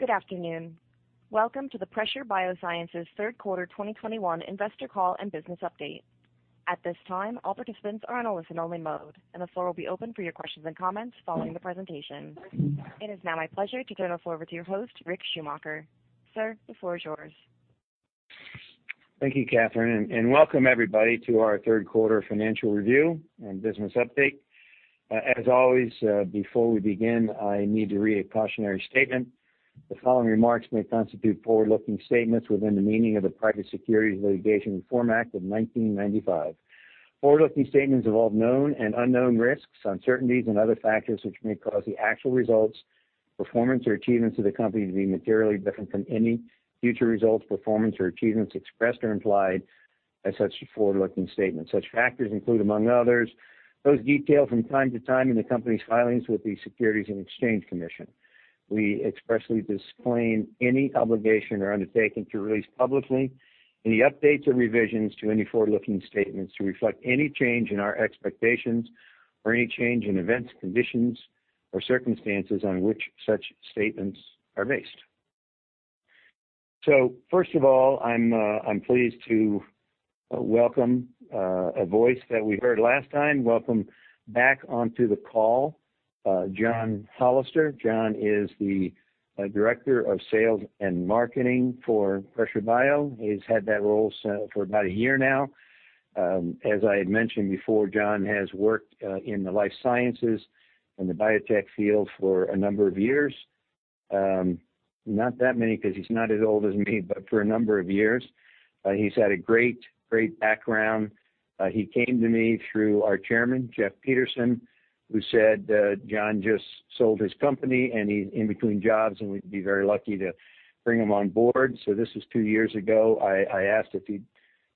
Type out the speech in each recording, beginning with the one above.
Good afternoon. Welcome to the Pressure BioSciences third quarter 2021 investor call and business update. At this time, all participants are on a listen only mode, and the floor will be open for your questions and comments following the presentation. It is now my pleasure to turn the floor over to your host, Rick Schumacher. Sir, the floor is yours. Thank you, Catherine, and welcome everybody to our third quarter financial review and business update. As always, before we begin, I need to read a cautionary statement. The following remarks may constitute forward-looking statements within the meaning of the Private Securities Litigation Reform Act of 1995. Forward-looking statements involve known and unknown risks, uncertainties and other factors which may cause the actual results, performance or achievements of the company to be materially different from any future results, performance or achievements expressed or implied as such forward-looking statements. Such factors include, among others, those detailed from time to time in the company's filings with the Securities and Exchange Commission. We expressly disclaim any obligation or undertaking to release publicly any updates or revisions to any forward-looking statements to reflect any change in our expectations or any change in events, conditions, or circumstances on which such statements are based. First of all, I'm pleased to welcome a voice that we heard last time. Welcome back onto the call, John Hollister. John is the Director of Sales and Marketing for Pressure Bio. He's had that role for about a year now. As I had mentioned before, John has worked in the life sciences in the biotech field for a number of years. Not that many 'cause he's not as old as me, but for a number of years. He's had a great background. He came to me through our chairman, Jeff Peterson, who said, John just sold his company and he's in between jobs, and we'd be very lucky to bring him on board. This was two years ago. I asked if he'd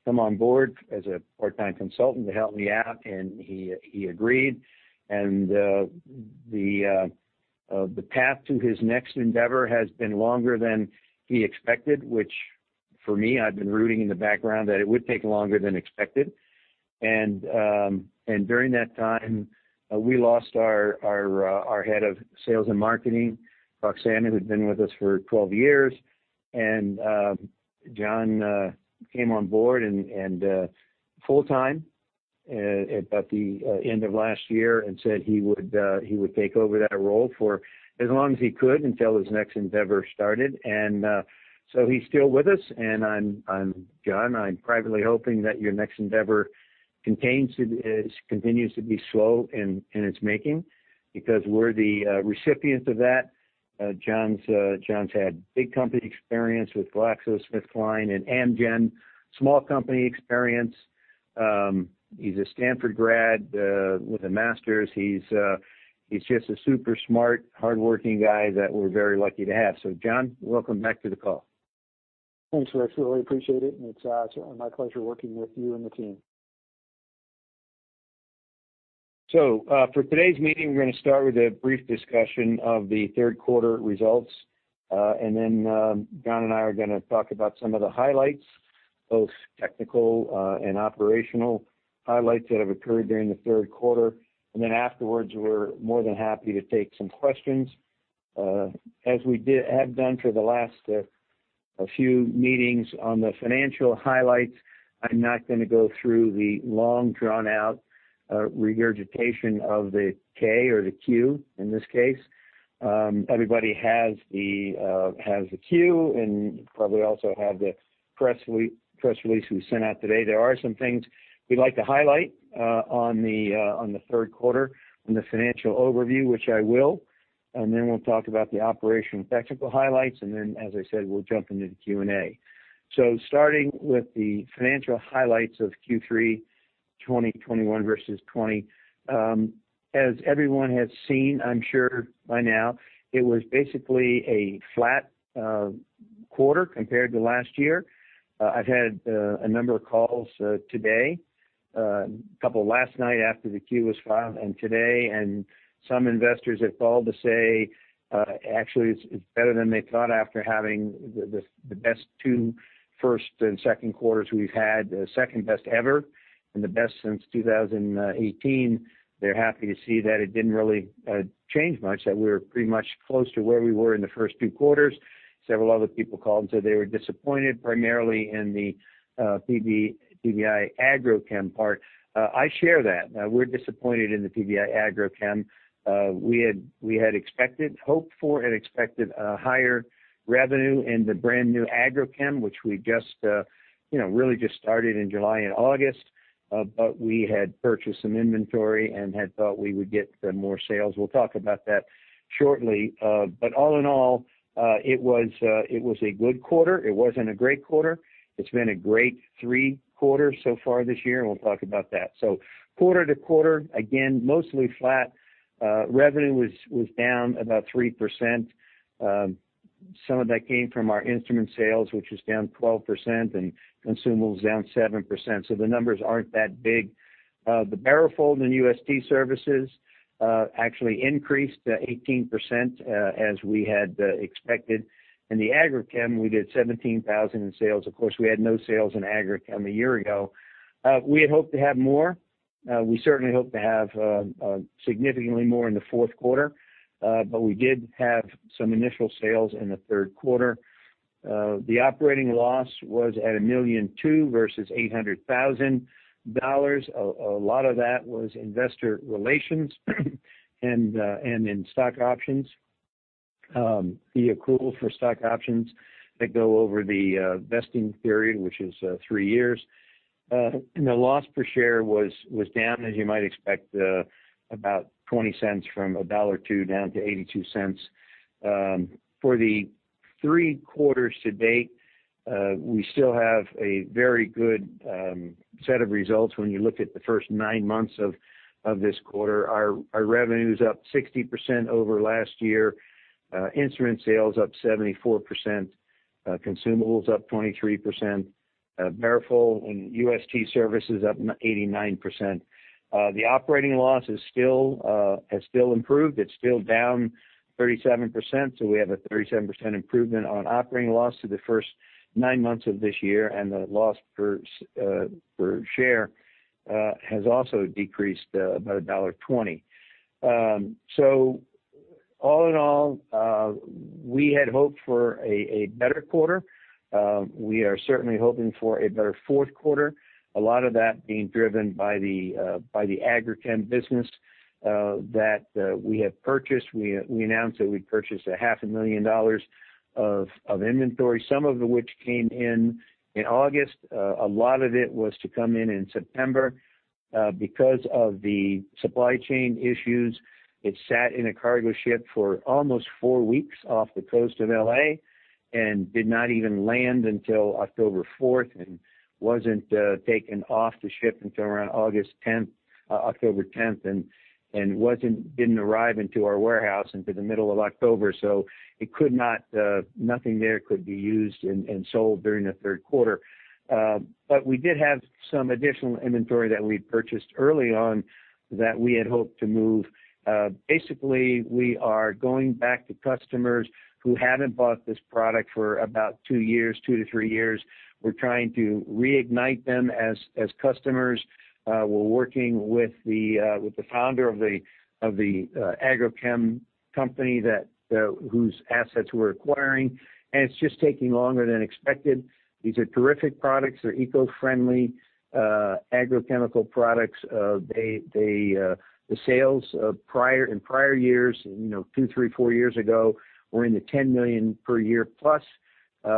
come on board as a part-time consultant to help me out, and he agreed. The path to his next endeavor has been longer than he expected, which for me, I've been rooting in the background that it would take longer than expected. During that time, we lost our head of sales and marketing, Roxanne, who had been with us for 12 years. John came on board full-time at the end of last year and said he would take over that role for as long as he could until his next endeavor started. He's still with us, and John, I'm privately hoping that your next endeavor continues to be slow in its making because we're the recipient of that. John's had big company experience with GlaxoSmithKline and Amgen. Small company experience. He's a Stanford grad with a master's. He's just a super smart, hardworking guy that we're very lucky to have. John, welcome back to the call. Thanks, Rick. I appreciate it, and it's my pleasure working with you and the team. For today's meeting, we're gonna start with a brief discussion of the third quarter results. John and I are gonna talk about some of the highlights, both technical and operational highlights that have occurred during the third quarter. Afterwards, we're more than happy to take some questions. As we have done for the last few meetings on the financial highlights, I'm not gonna go through the long drawn out regurgitation of the K or the Q in this case. Everybody has the Q and probably also have the press release we sent out today. There are some things we'd like to highlight on the third quarter on the financial overview, which I will, and then we'll talk about the operational and technical highlights, and then as I said, we'll jump into the Q&A. Starting with the financial highlights of Q3 2021 versus 2020. As everyone has seen, I'm sure by now, it was basically a flat quarter compared to last year. I've had a number of calls today, a couple last night after the Q was filed and today, and some investors have called to say, actually it's better than they thought after having the best two first and second quarters we've had, the second best ever and the best since 2018. They're happy to see that it didn't really change much, that we were pretty much close to where we were in the first two quarters. Several other people called and said they were disappointed, primarily in the PBI Agrochem part. I share that. We're disappointed in the PBI Agrochem. We had expected, hoped for and expected a higher revenue in the brand new Agrochem, which we just, you know, really just started in July and August. We had purchased some inventory and had thought we would get some more sales. We'll talk about that shortly. All in all, it was a good quarter. It wasn't a great quarter. It's been a great three quarters so far this year, and we'll talk about that. Quarter to quarter, again, mostly flat. Revenue was down about 3%. Some of that came from our instrument sales, which was down 12% and consumables down 7%, so the numbers aren't that big. The BaroFold and UST services actually increased 18%, as we had expected. In the Agrochem, we did $17,000 in sales. Of course, we had no sales in Agrochem a year ago. We had hoped to have more. Now we certainly hope to have significantly more in the fourth quarter, but we did have some initial sales in the third quarter. The operating loss was $1.2 million versus $800,000. A lot of that was investor relations and in stock options. The accrual for stock options that go over the vesting period, which is three years. The loss per share was down, as you might expect, about $0.20 from $1.02 down to $0.82. For the three quarters to date, we still have a very good set of results when you look at the first nine months of this quarter. Our revenue is up 60% over last year. Instrument sales up 74%, consumables up 23%, BaroFold and UST services up 89%. The operating loss has still improved. It's still down 37%, so we have a 37% improvement on operating loss through the first nine months of this year, and the loss per share has also decreased about $1.20. All in all, we had hoped for a better quarter. We are certainly hoping for a better fourth quarter. A lot of that being driven by the Agrochem business that we have purchased. We announced that we purchased half a million dollars of inventory, some of which came in in August. A lot of it was to come in in September. Because of the supply chain issues, it sat in a cargo ship for almost four weeks off the coast of L.A. and did not even land until October fourth, and wasn't taken off the ship until around October tenth and didn't arrive into our warehouse until the middle of October, so nothing there could be used and sold during the third quarter. We did have some additional inventory that we'd purchased early on that we had hoped to move. Basically, we are going back to customers who haven't bought this product for about two years, two to three years. We're trying to reignite them as customers. We're working with the founder of the Agrochem company whose assets we're acquiring, and it's just taking longer than expected. These are terrific products. They're eco-friendly agrochemical products. The sales in prior years, you know, two, three, four years ago, were in the $10 million per year plus.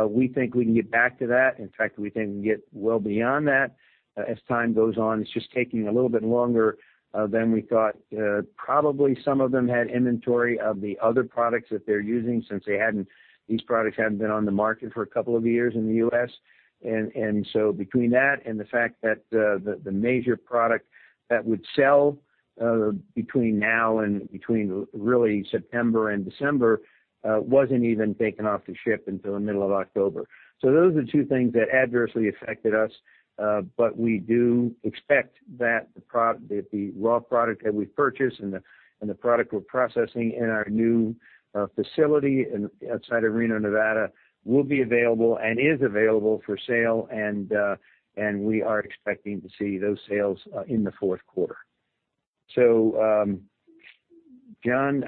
We think we can get back to that. In fact, we think we can get well beyond that as time goes on. It's just taking a little bit longer than we thought. Probably some of them had inventory of the other products that they're using since these products hadn't been on the market for a couple of years in the U.S. Between that and the fact that the major product that would sell between really September and December wasn't even taken off the ship until the middle of October, those are the two things that adversely affected us, but we do expect that the raw product that we purchased and the product we're processing in our new facility outside of Reno, Nevada, will be available and is available for sale, and we are expecting to see those sales in the fourth quarter. John,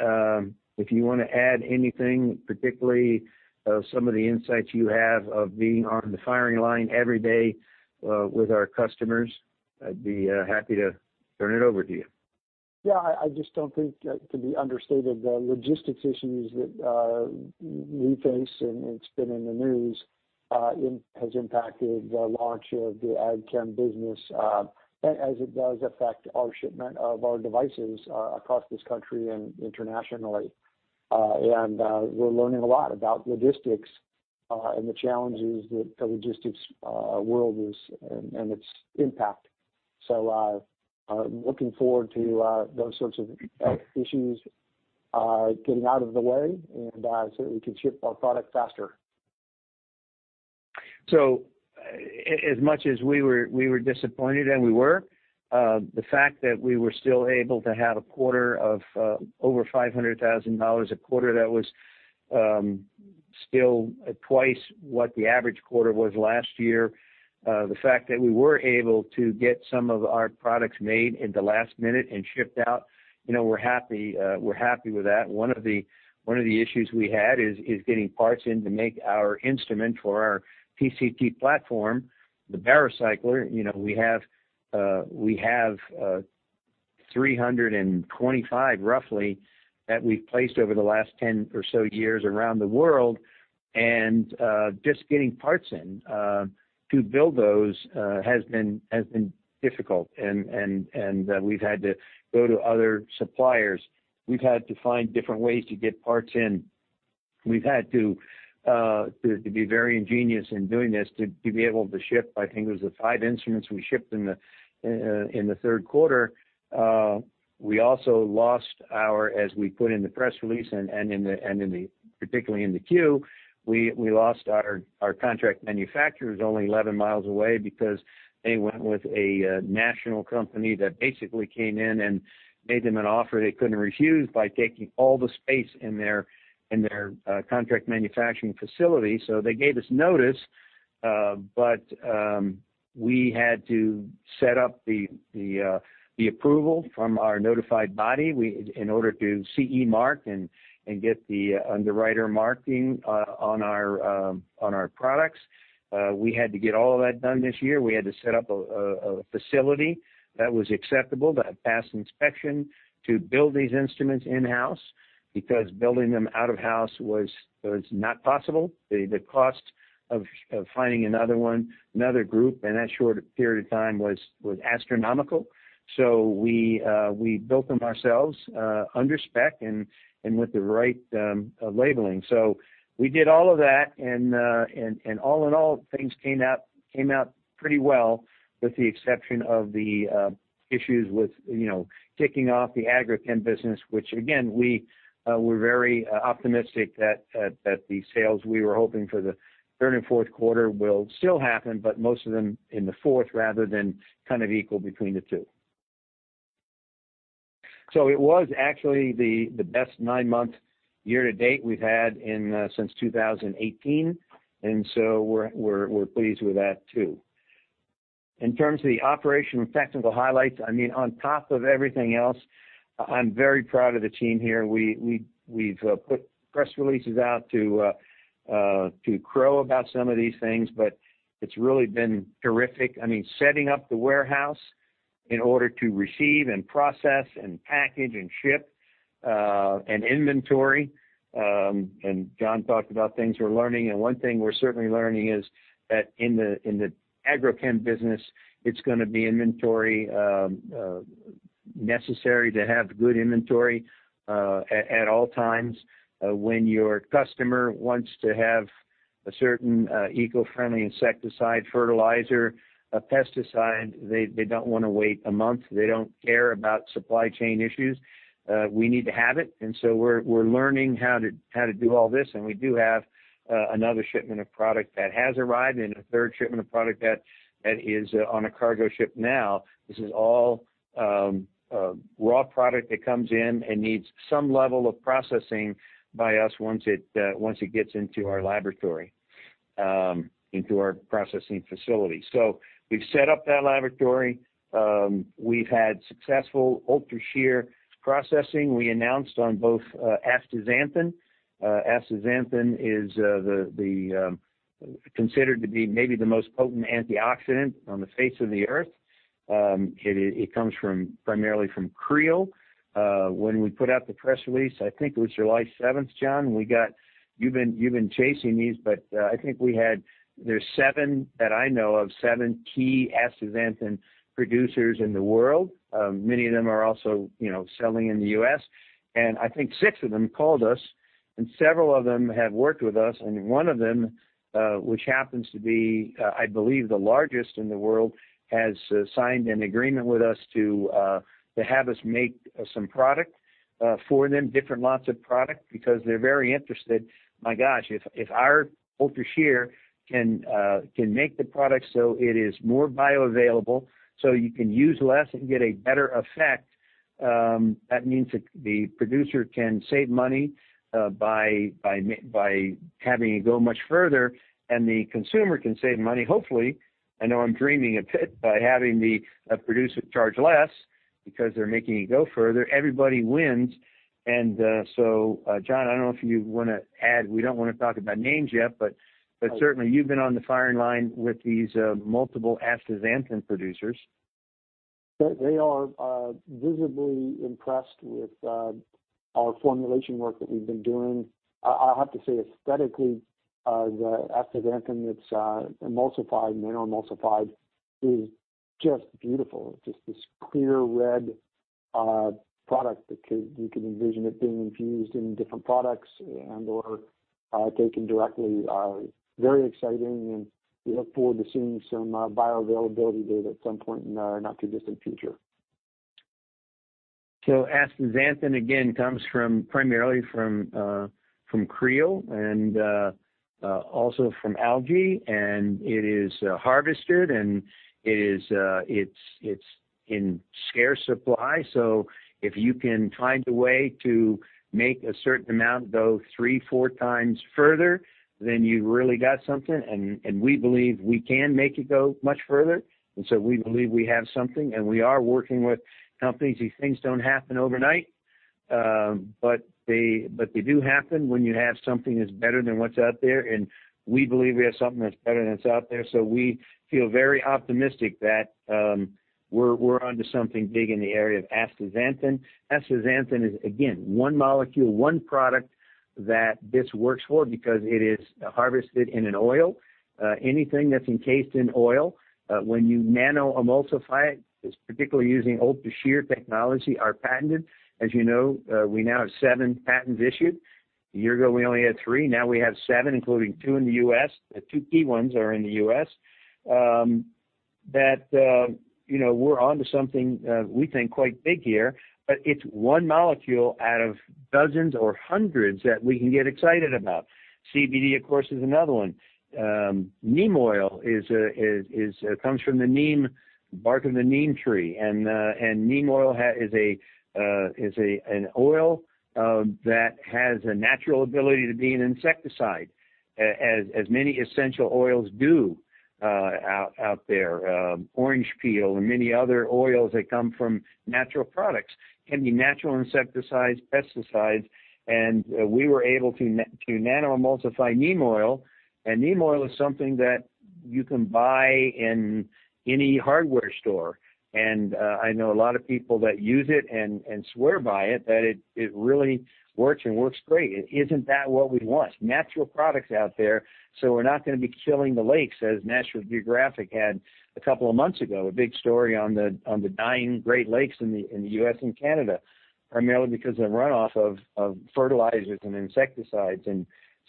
if you wanna add anything, particularly of some of the insights you have of being on the firing line every day, with our customers, I'd be happy to turn it over to you. Yeah. I just don't think that it can be understated the logistics issues that we face, and it's been in the news, has impacted the launch of the Agrochem business, as it does affect our shipment of our devices across this country and internationally. And we're learning a lot about logistics and the challenges that the logistics world is and its impact. Looking forward to those sorts of issues getting out of the way and so that we can ship our product faster. As much as we were disappointed, the fact that we were still able to have a quarter of over $500,000 that was still twice what the average quarter was last year, the fact that we were able to get some of our products made in the last minute and shipped out, you know, we're happy with that. One of the issues we had is getting parts in to make our instrument for our PCT platform, the Barocycler. You know, we have 325, roughly, that we've placed over the last 10 or so years around the world, and just getting parts in to build those has been difficult and we've had to go to other suppliers. We've had to find different ways to get parts in. We've had to be very ingenious in doing this to be able to ship, I think it was the five instruments we shipped in the third quarter. We also lost our contract manufacturer, as we put in the press release and particularly in the 10-Q, who's only 11 miles away because they went with a national company that basically came in and made them an offer they couldn't refuse by taking all the space in their contract manufacturing facility. They gave us notice, but we had to set up the approval from our notified body in order to CE mark and get the UL marking on our products. We had to get all of that done this year. We had to set up a facility that was acceptable, that passed inspection to build these instruments in-house because building them out of house was not possible. The cost of finding another group and that short period of time was astronomical. We built them ourselves under spec and with the right labeling. We did all of that and all in all things came out pretty well, with the exception of the issues with you know kicking off the Agrochem business, which again, we're very optimistic that the sales we were hoping for the third and fourth quarter will still happen, but most of them in the fourth rather than kind of equal between the two. It was actually the best nine-month year to date we've had since 2018. We're pleased with that too. In terms of the operational and technical highlights, I mean, on top of everything else, I'm very proud of the team here. We've put press releases out to crow about some of these things, but it's really been terrific. I mean, setting up the warehouse in order to receive and process and package and ship an inventory. John talked about things we're learning, and one thing we're certainly learning is that in the Agrochem business, it's gonna be inventory necessary to have good inventory at all times. When your customer wants to have a certain eco-friendly insecticide, fertilizer, a pesticide, they don't wanna wait a month. They don't care about supply chain issues. We need to have it. We're learning how to do all this. We do have another shipment of product that has arrived and a third shipment of product that is on a cargo ship now. This is all raw product that comes in and needs some level of processing by us once it gets into our laboratory, into our processing facility. We've set up that laboratory. We've had successful UltraShear processing. We announced on both astaxanthin. Astaxanthin is considered to be maybe the most potent antioxidant on the face of the earth. It comes from, primarily from krill. When we put out the press release, I think it was July seventh, John, we got. You've been chasing these, but I think we had. There's seven, that I know of, key astaxanthin producers in the world. Many of them are also, you know, selling in the U.S. I think six of them called us, and several of them have worked with us. One of them, which happens to be, I believe, the largest in the world, has signed an agreement with us to have us make some product for them, different lots of product, because they're very interested. My gosh, if our UltraShear can make the product so it is more bioavailable, so you can use less and get a better effect, that means that the producer can save money by having it go much further, and the consumer can save money, hopefully, I know I'm dreaming a bit, by having the producer charge less because they're making it go further. Everybody wins. John, I don't know if you wanna add. We don't wanna talk about names yet, but. Oh. Certainly you've been on the firing line with these multiple astaxanthin producers. They are visibly impressed with our formulation work that we've been doing. I have to say, aesthetically, the astaxanthin that's emulsified, nano-emulsified is just beautiful. Just this clear red product that you could envision it being infused in different products and/or taken directly are very exciting, and we look forward to seeing some bioavailability data at some point in the not too distant future. Astaxanthin, again, comes primarily from krill and also from algae, and it is harvested and it is in scarce supply. If you can find a way to make a certain amount go three, four times further, then you really got something. We believe we can make it go much further. We believe we have something, and we are working with companies. These things don't happen overnight, but they do happen when you have something that's better than what's out there. We believe we have something that's better than what's out there. We feel very optimistic that we're onto something big in the area of astaxanthin. Astaxanthin is, again, one molecule, one product that this works for because it is harvested in an oil. Anything that's encased in oil, when you nano-emulsify it's particularly using UltraShear technology, our patented. As you know, we now have seven patents issued. A year ago, we only had three. Now we have seven, including two in the U.S. The two key ones are in the U.S. You know, we're onto something we think quite big here. But it's one molecule out of dozens or hundreds that we can get excited about. CBD, of course, is another one. Neem oil comes from the neem bark of the neem tree. Neem oil is an oil that has a natural ability to be an insecticide as many essential oils do, out there. Orange peel and many other oils that come from natural products can be natural insecticides, pesticides. We were able to nano-emulsify neem oil. Neem oil is something that you can buy in any hardware store. I know a lot of people that use it and swear by it that it really works and works great. Isn't that what we want? Natural products out there, so we're not gonna be killing the lakes, as National Geographic had a couple of months ago, a big story on the dying Great Lakes in the U.S. and Canada, primarily because of runoff of fertilizers and insecticides.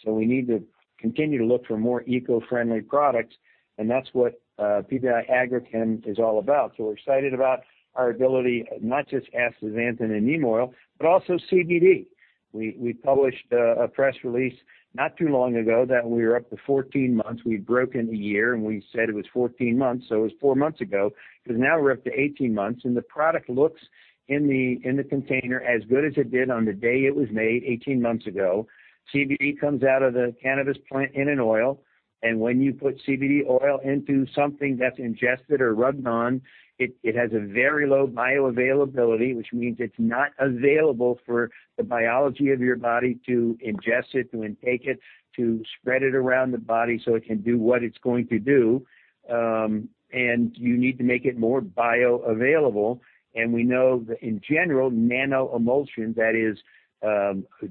We need to continue to look for more eco-friendly products, and that's what PBI Agrochem is all about. We're excited about our ability, not just astaxanthin and neem oil, but also CBD. We published a press release not too long ago that we were up to 14 months. We'd broken a year, and we said it was 14 months, so it was four months ago. Now we're up to 18 months, and the product looks in the container as good as it did on the day it was made 18 months ago. CBD comes out of the cannabis plant in an oil, and when you put CBD oil into something that's ingested or rubbed on, it has a very low bioavailability, which means it's not available for the biology of your body to ingest it, to intake it, to spread it around the body so it can do what it's going to do. You need to make it more bioavailable. We know that in general, nanoemulsion, that is,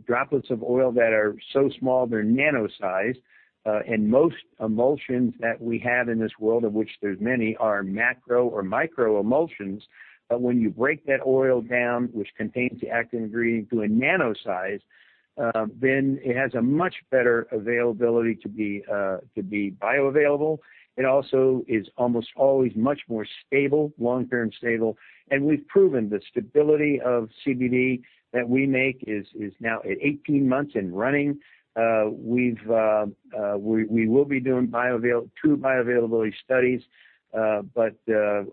droplets of oil that are so small they're nano-sized, and most emulsions that we have in this world, of which there's many, are macro or microemulsions. But when you break that oil down, which contains the active ingredient, to a nano-size, then it has a much better availability to be bioavailable. It also is almost always much more stable, long-term stable. We've proven the stability of CBD that we make is now at 18 months and running. We will be doing two bioavailability studies. But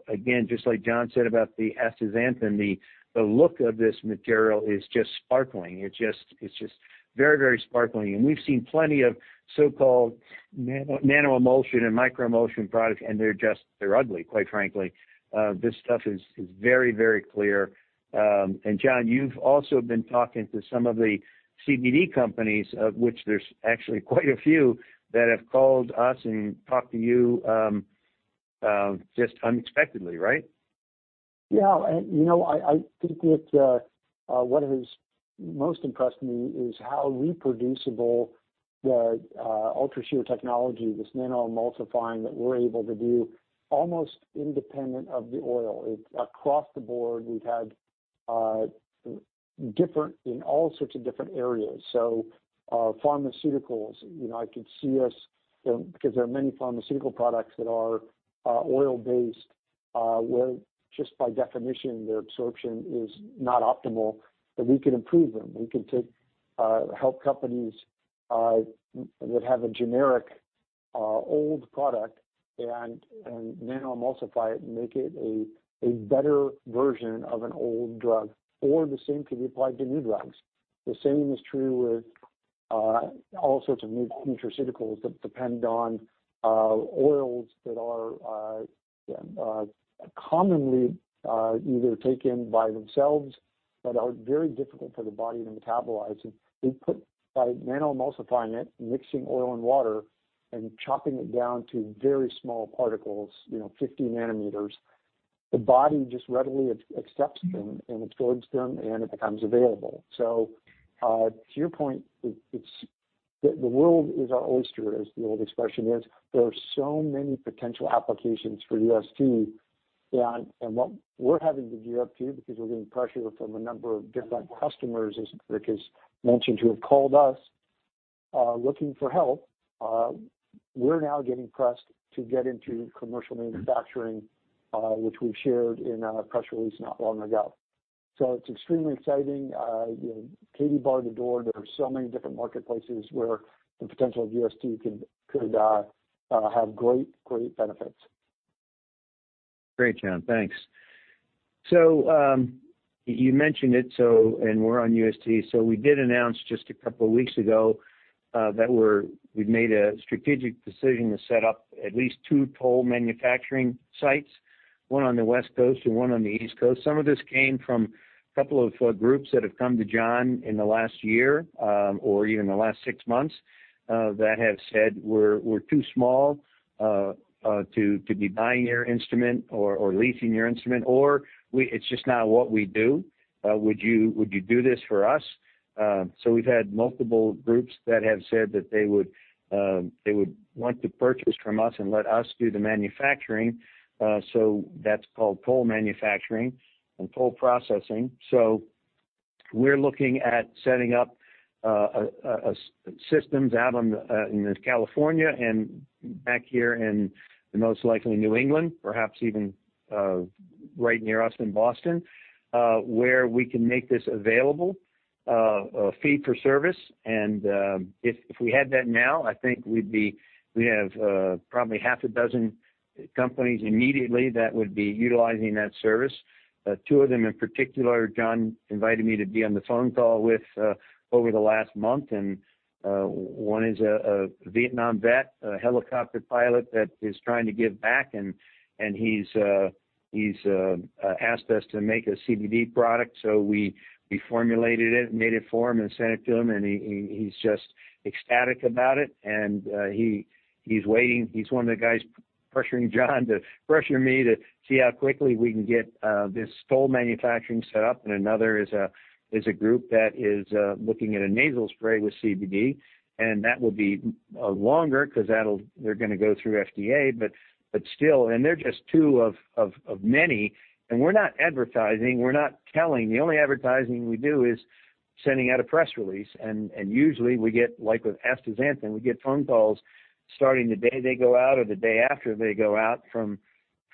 again, just like John said about the astaxanthin, the look of this material is just sparkling. It's just very, very sparkling. We've seen plenty of so-called nanoemulsion and microemulsion products, and they're just ugly, quite frankly. This stuff is very clear. John, you've also been talking to some of the CBD companies, of which there's actually quite a few, that have called us and talked to you, just unexpectedly, right? Yeah. You know, I think that what has most impressed me is how reproducible the UltraShear technology, this nano-emulsifying that we're able to do, almost independent of the oil across the board in all sorts of different areas. Pharmaceuticals, you know, I could see us because there are many pharmaceutical products that are oil-based where just by definition their absorption is not optimal, that we can improve them. We can help companies that have a generic old product and nano-emulsify it and make it a better version of an old drug, or the same can be applied to new drugs. The same is true with all sorts of nutraceuticals that depend on oils that are commonly either taken by themselves but are very difficult for the body to metabolize. By nano-emulsifying it, mixing oil and water, and chopping it down to very small particles, you know, 50 nanometers, the body just readily accepts them and absorbs them, and it becomes available. To your point, it's the world is our oyster, as the old expression is. There are so many potential applications for UST. What we're having to gear up to, because we're getting pressure from a number of different customers, as Rick has mentioned, who have called us looking for help, we're now getting pressed to get into commercial manufacturing, which we've shared in our press release not long ago. It's extremely exciting. You know, Katie bar the door. There are so many different marketplaces where the potential of UST could have great benefits. Great, John. Thanks. You mentioned it, and we're on UST. We did announce just a couple weeks ago that we've made a strategic decision to set up at least two toll manufacturing sites, one on the West Coast and one on the East Coast. Some of this came from a couple of groups that have come to John in the last year or even the last six months that have said, "We're too small to be buying your instrument or leasing your instrument," or "It's just not what we do. Would you do this for us?" We've had multiple groups that have said that they would want to purchase from us and let us do the manufacturing, so that's called toll manufacturing and toll processing. We're looking at setting up systems out in California and back here in the most likely New England, perhaps even right near us in Boston, where we can make this available fee for service. If we had that now, I think we'd have probably half a dozen companies immediately that would be utilizing that service. Two of them in particular, John invited me to be on the phone call with over the last month. One is a Vietnam vet, a helicopter pilot that is trying to give back and he's asked us to make a CBD product. We formulated it, made it for him, and sent it to him, and he's just ecstatic about it, and he's waiting. He's one of the guys pressuring John to pressure me to see how quickly we can get this toll manufacturing set up. Another is a group that is looking at a nasal spray with CBD, and that will be longer because that'll—they're gonna go through FDA. But still, they're just two of many, and we're not advertising, we're not telling. The only advertising we do is sending out a press release. Usually we get, like, with astaxanthin, we get phone calls starting the day they go out or the day after they go out from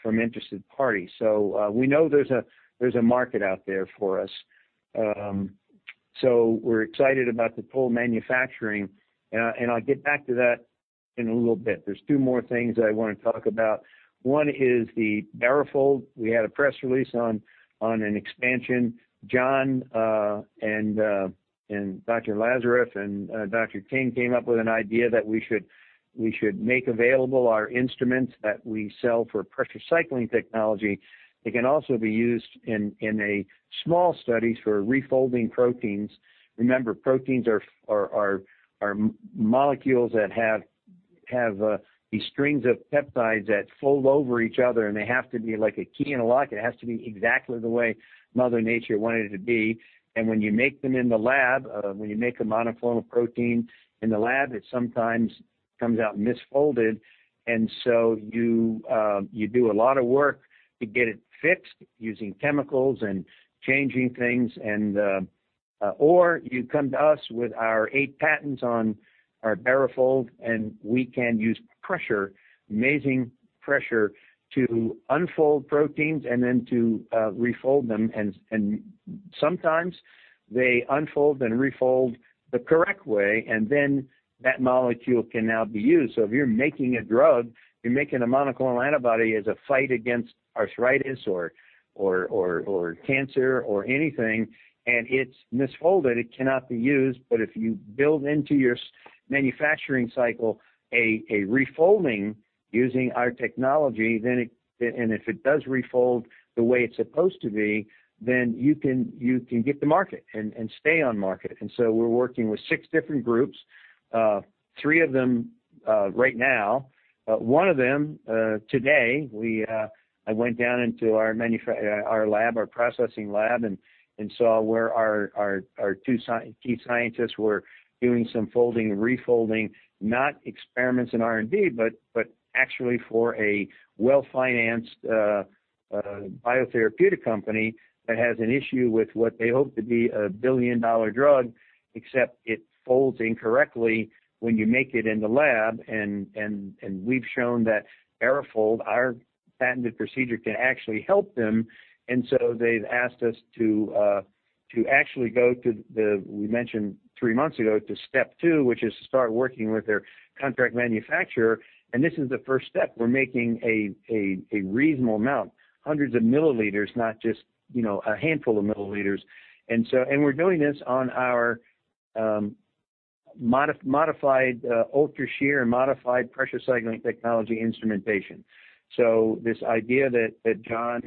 interested parties. We know there's a market out there for us. We're excited about the toll manufacturing. I'll get back to that in a little bit. There are two more things that I want to talk about. One is the BaroFold. We had a press release on an expansion. John and Dr. Lazarev and Dr. King came up with an idea that we should make available our instruments that we sell for pressure cycling technology. They can also be used in small studies for refolding proteins. Remember, proteins are molecules that have these strings of peptides that fold over each other and they have to be like a key in a lock. It has to be exactly the way mother nature wanted it to be. When you make a monoclonal protein in the lab, it sometimes comes out misfolded. You do a lot of work to get it fixed using chemicals and changing things, or you come to us with our eight patents on our BaroFold, and we can use pressure, amazing pressure, to unfold proteins and then to refold them. Sometimes they unfold, then refold the correct way, and then that molecule can now be used. If you're making a drug, you're making a monoclonal antibody as a fight against arthritis or cancer or anything, and it's misfolded, it cannot be used. If you build into your scale manufacturing cycle a refolding using our technology, then if it does refold the way it's supposed to be, then you can get to market and stay on market. We're working with six different groups, three of them right now. One of them, today I went down into our manufacturing, our lab, our processing lab, and saw where our two key scientists were doing some folding and refolding, not experiments in R&D, but actually for a well-financed biotherapeutic company that has an issue with what they hope to be a billion-dollar drug, except it folds incorrectly when you make it in the lab. We've shown that BaroFold, our patented procedure, can actually help them. They've asked us to actually go to step two, which we mentioned three months ago, to start working with their contract manufacturer. This is the first step. We're making a reasonable amount, hundreds of milliliters, not just, you know, a handful of milliliters. We're doing this on our modified UltraShear modified pressure cycling technology instrumentation. This idea that John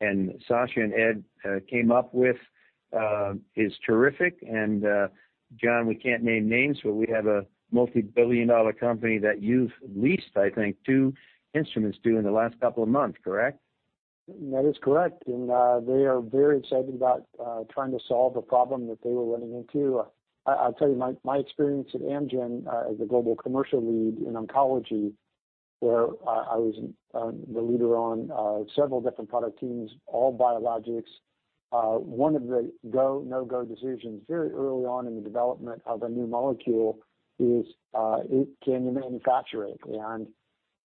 and Sasha and Ed came up with is terrific. John, we can't name names, but we have a multi-billion dollar company that you've leased, I think, two instruments to in the last couple of months, correct? That is correct. They are very excited about trying to solve a problem that they were running into. I'll tell you my experience at Amgen as a global commercial lead in oncology, where I was the leader on several different product teams, all biologics, one of the go-no-go decisions very early on in the development of a new molecule is, can you manufacture it?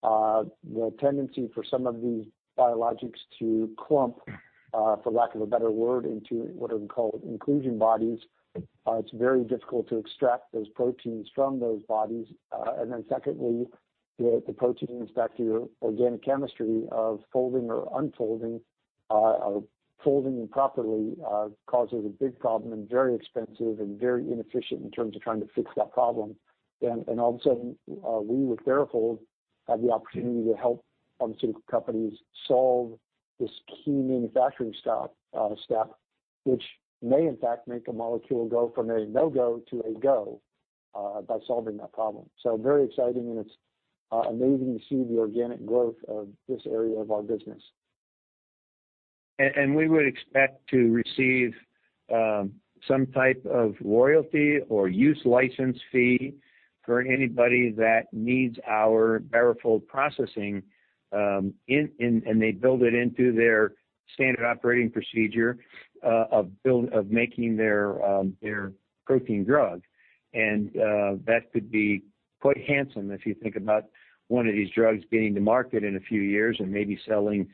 The tendency for some of these biologics to clump, for lack of a better word, into what are called inclusion bodies, it's very difficult to extract those proteins from those bodies. Then secondly, the proteins, back to your organic chemistry of folding or unfolding, or folding improperly, causes a big problem and very expensive and very inefficient in terms of trying to fix that problem. All of a sudden, we with BaroFold have the opportunity to help pharmaceutical companies solve this key manufacturing step, which may in fact make a molecule go from a no-go to a go, by solving that problem. Very exciting, and it's amazing to see the organic growth of this area of our business. We would expect to receive some type of royalty or use license fee for anybody that needs our BaroFold processing, and they build it into their standard operating procedure of making their protein drug. That could be quite handsome if you think about one of these drugs getting to market in a few years and maybe selling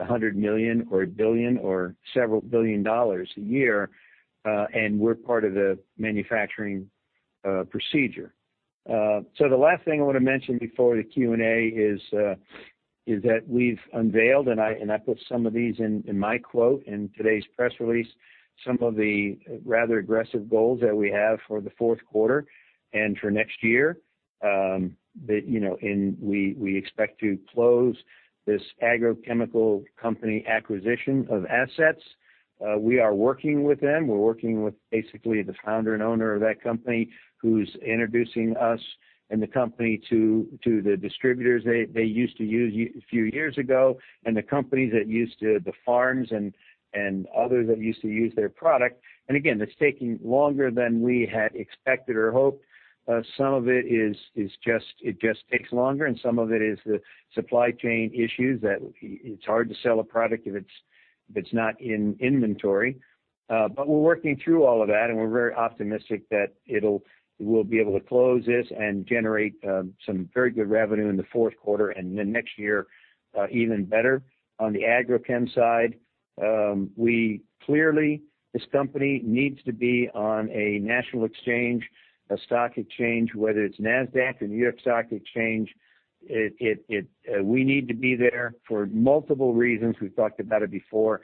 $100 million or $1 billion or several billion dollars a year, and we're part of the manufacturing procedure. The last thing I want to mention before the Q&A is that we've unveiled, and I put some of these in my quote in today's press release, some of the rather aggressive goals that we have for the fourth quarter and for next year, that you know, we expect to close this agrochemical company acquisition of assets. We are working with them. We're working with basically the founder and owner of that company who's introducing us and the company to the distributors they used to use a few years ago, and the companies, the farms, and others that used to use their product. Again, it's taking longer than we had expected or hoped. Some of it is just it takes longer, and some of it is the supply chain issues that it's hard to sell a product if it's not in inventory. We're working through all of that, and we're very optimistic that we'll be able to close this and generate some very good revenue in the fourth quarter and then next year, even better. On the Agrochem side, clearly, this company needs to be on a national exchange, a stock exchange, whether it's NASDAQ or New York Stock Exchange. We need to be there for multiple reasons. We've talked about it before.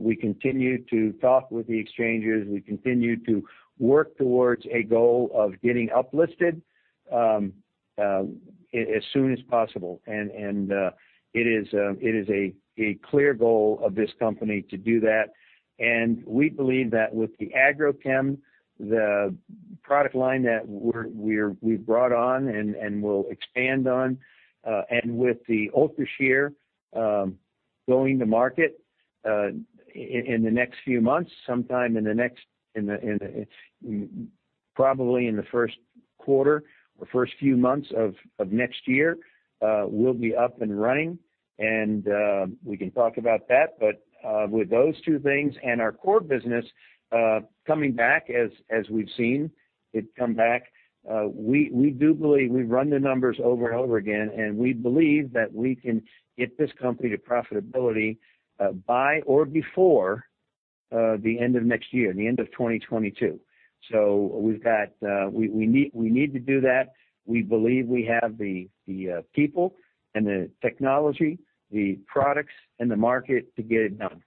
We continue to talk with the exchanges. We continue to work towards a goal of getting uplisted as soon as possible. It is a clear goal of this company to do that. We believe that with the AgroChem, the product line that we've brought on and will expand on, and with the UltraShear going to market in the next few months, probably in the first quarter or first few months of next year, we'll be up and running and we can talk about that. With those two things and our core business coming back as we've seen it come back, we do believe we've run the numbers over and over again, and we believe that we can get this company to profitability by or before the end of next year, the end of 2022. We need to do that. We believe we have the people and the technology, the products and the market to get it done.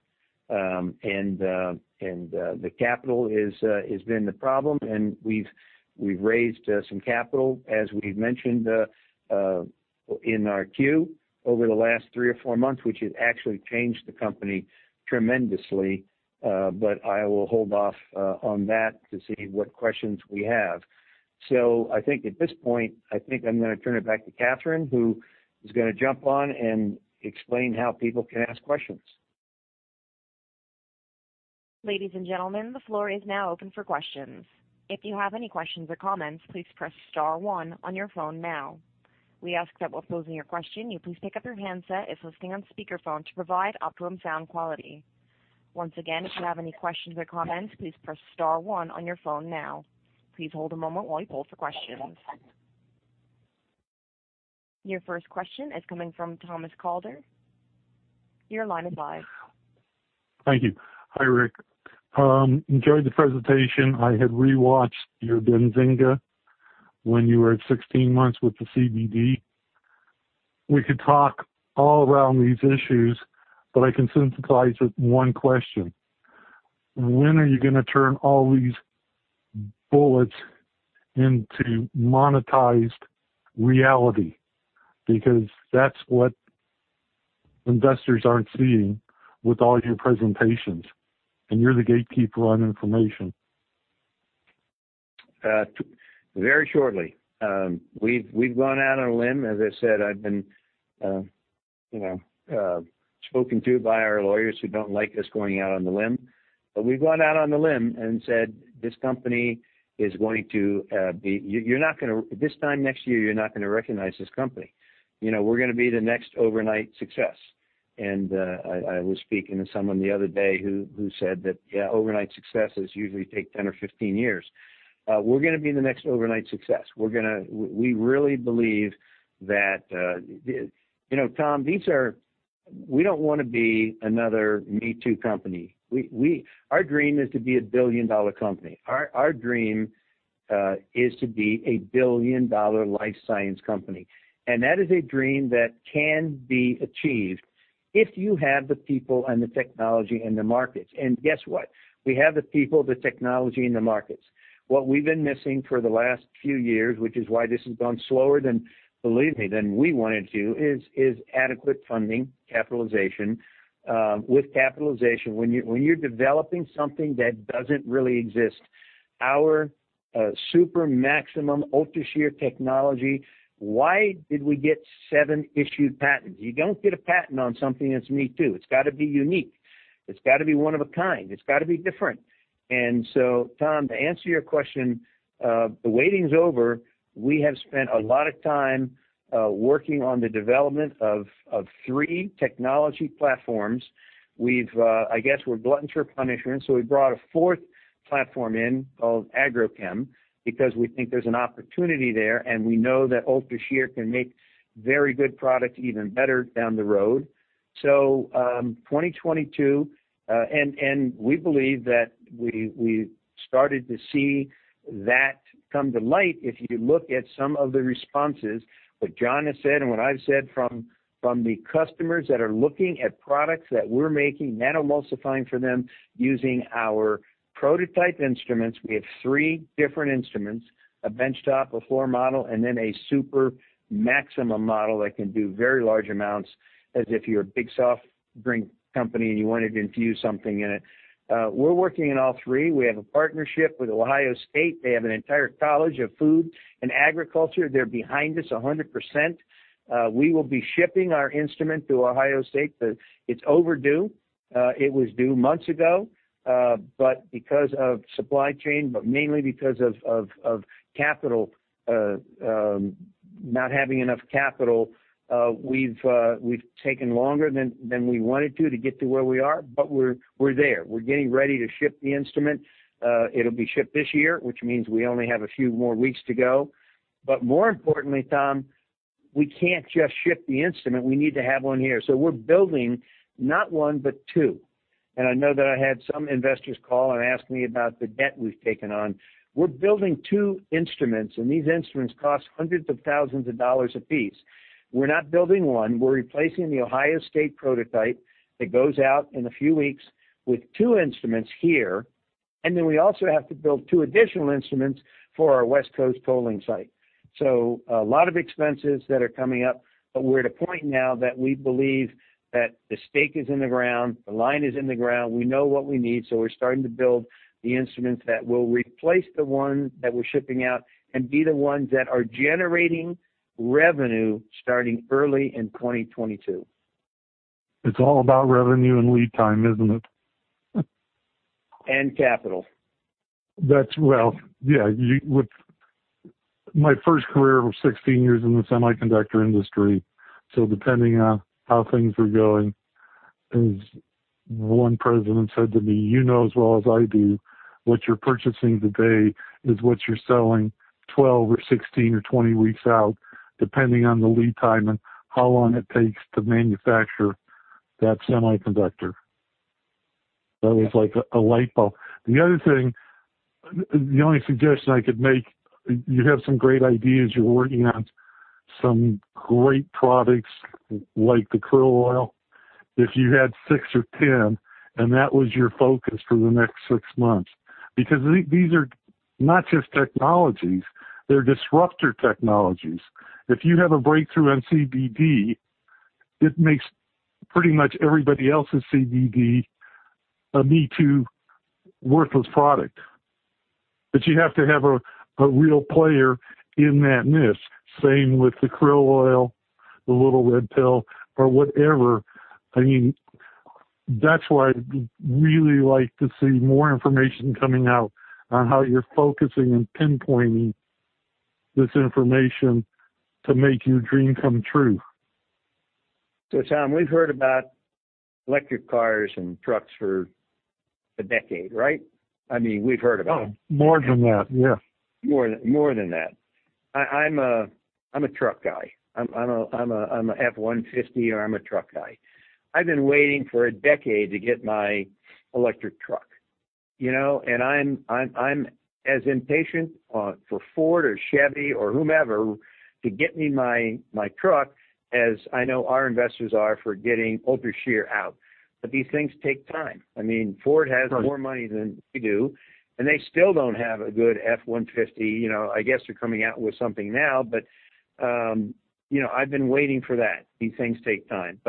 The capital has been the problem, and we've raised some capital, as we've mentioned, in our Q over the last three or four months, which has actually changed the company tremendously. I will hold off on that to see what questions we have. I think at this point I'm gonna turn it back to Catherine, who is gonna jump on and explain how people can ask questions. Ladies and gentlemen, the floor is now open for questions. If you have any questions or comments, please press star one on your phone now. We ask that while posing your question, you please pick up your handset if listening on speaker phone to provide optimum sound quality. Once again, if you have any questions or comments, please press star one on your phone now. Please hold a moment while we poll for questions. Your first question is coming from Thomas Calder. Your line is live. Thank you. Hi, Rick. Enjoyed the presentation. I had re-watched your Benzinga when you were at 16 months with the CBD. We could talk all around these issues, but I can synthesize it in one question: When are you gonna turn all these bullets into monetized reality? Because that's what investors aren't seeing with all your presentations, and you're the gatekeeper on information. Very shortly. We've gone out on a limb. As I said, I've been spoken to by our lawyers who don't like us going out on a limb. We've gone out on a limb and said, "This company is going to be. You're not gonna recognize this company this time next year. You know, we're gonna be the next overnight success." I was speaking to someone the other day who said that overnight successes usually take 10 or 15 years. We're gonna be the next overnight success. We really believe that. You know, Tom, we don't wanna be another me-too company. Our dream is to be a billion-dollar company. Our dream is to be a billion-dollar life science company. That is a dream that can be achieved if you have the people and the technology and the markets. Guess what? We have the people, the technology and the markets. What we've been missing for the last few years, which is why this has gone slower than, believe me, than we wanted to, is adequate funding, capitalization. With capitalization, when you're developing something that doesn't really exist, our super maximum UltraShear technology, why did we get seven issued patents? You don't get a patent on something that's me too. It's gotta be unique. It's gotta be one of a kind. It's gotta be different. Tom, to answer your question, the waiting's over. We have spent a lot of time working on the development of three technology platforms. We've, I guess we're gluttons for punishment, so we brought a fourth platform in called Agrochem because we think there's an opportunity there, and we know that UltraShear can make very good product even better down the road. 2022, we believe that we started to see that come to light if you look at some of the responses, what John has said and what I've said from the customers that are looking at products that we're making, nano-emulsifying for them using our prototype instruments. We have three different instruments, a benchtop, a floor model, and then a super maximum model that can do very large amounts as if you're a big soft drink company and you wanted to infuse something in it. We're working in all three. We have a partnership with Ohio State. They have an entire college of food and agriculture. They're behind us 100%. We will be shipping our instrument to Ohio State. It's overdue. It was due months ago, but because of supply chain, but mainly because of capital, not having enough capital, we've taken longer than we wanted to get to where we are, but we're there. We're getting ready to ship the instrument. It'll be shipped this year, which means we only have a few more weeks to go. More importantly, Tom, we can't just ship the instrument. We need to have one here. We're building not one, but two. I know that I had some investors call and ask me about the debt we've taken on. We're building two instruments, and these instruments cost hundreds of thousands of dollars a piece. We're not building one. We're replacing the Ohio State prototype that goes out in a few weeks with two instruments here, and then we also have to build two additional instruments for our West Coast tolling site. A lot of expenses that are coming up, but we're at a point now that we believe that the stake is in the ground, the line is in the ground. We know what we need, so we're starting to build the instruments that will replace the ones that we're shipping out and be the ones that are generating revenue starting early in 2022. It's all about revenue and lead time, isn't it? Capital. Well, yeah. With my first career of 16 years in the semiconductor industry, so depending on how things are going, as one president said to me, "You know as well as I do what you're purchasing today is what you're selling 12 or 16 or 20 weeks out, depending on the lead time and how long it takes to manufacture that semiconductor." That was like a light bulb. The other thing, the only suggestion I could make, you have some great ideas. You're working on some great products like the krill oil. If you had six or 10, and that was your focus for the next six months, because these are not just technologies, they're disruptor technologies. If you have a breakthrough in CBD, it makes pretty much everybody else's CBD a me-too worthless product. You have to have a real player in that niche. Same with the krill oil, the little red pill or whatever. I mean, that's why I'd really like to see more information coming out on how you're focusing and pinpointing this information to make your dream come true. Tom, we've heard about electric cars and trucks for a decade, right? I mean, we've heard about them. Oh, more than that, yeah. More than that. I'm a truck guy. I'm a F-150. I'm a truck guy. I've been waiting for a decade to get my electric truck, you know? I'm as impatient for Ford or Chevy or whomever to get me my truck as I know our investors are for getting UltraShear out. These things take time. I mean, Ford has more money than we do, and they still don't have a good F-150. You know, I guess they're coming out with something now. You know, I've been waiting for that. These things take time.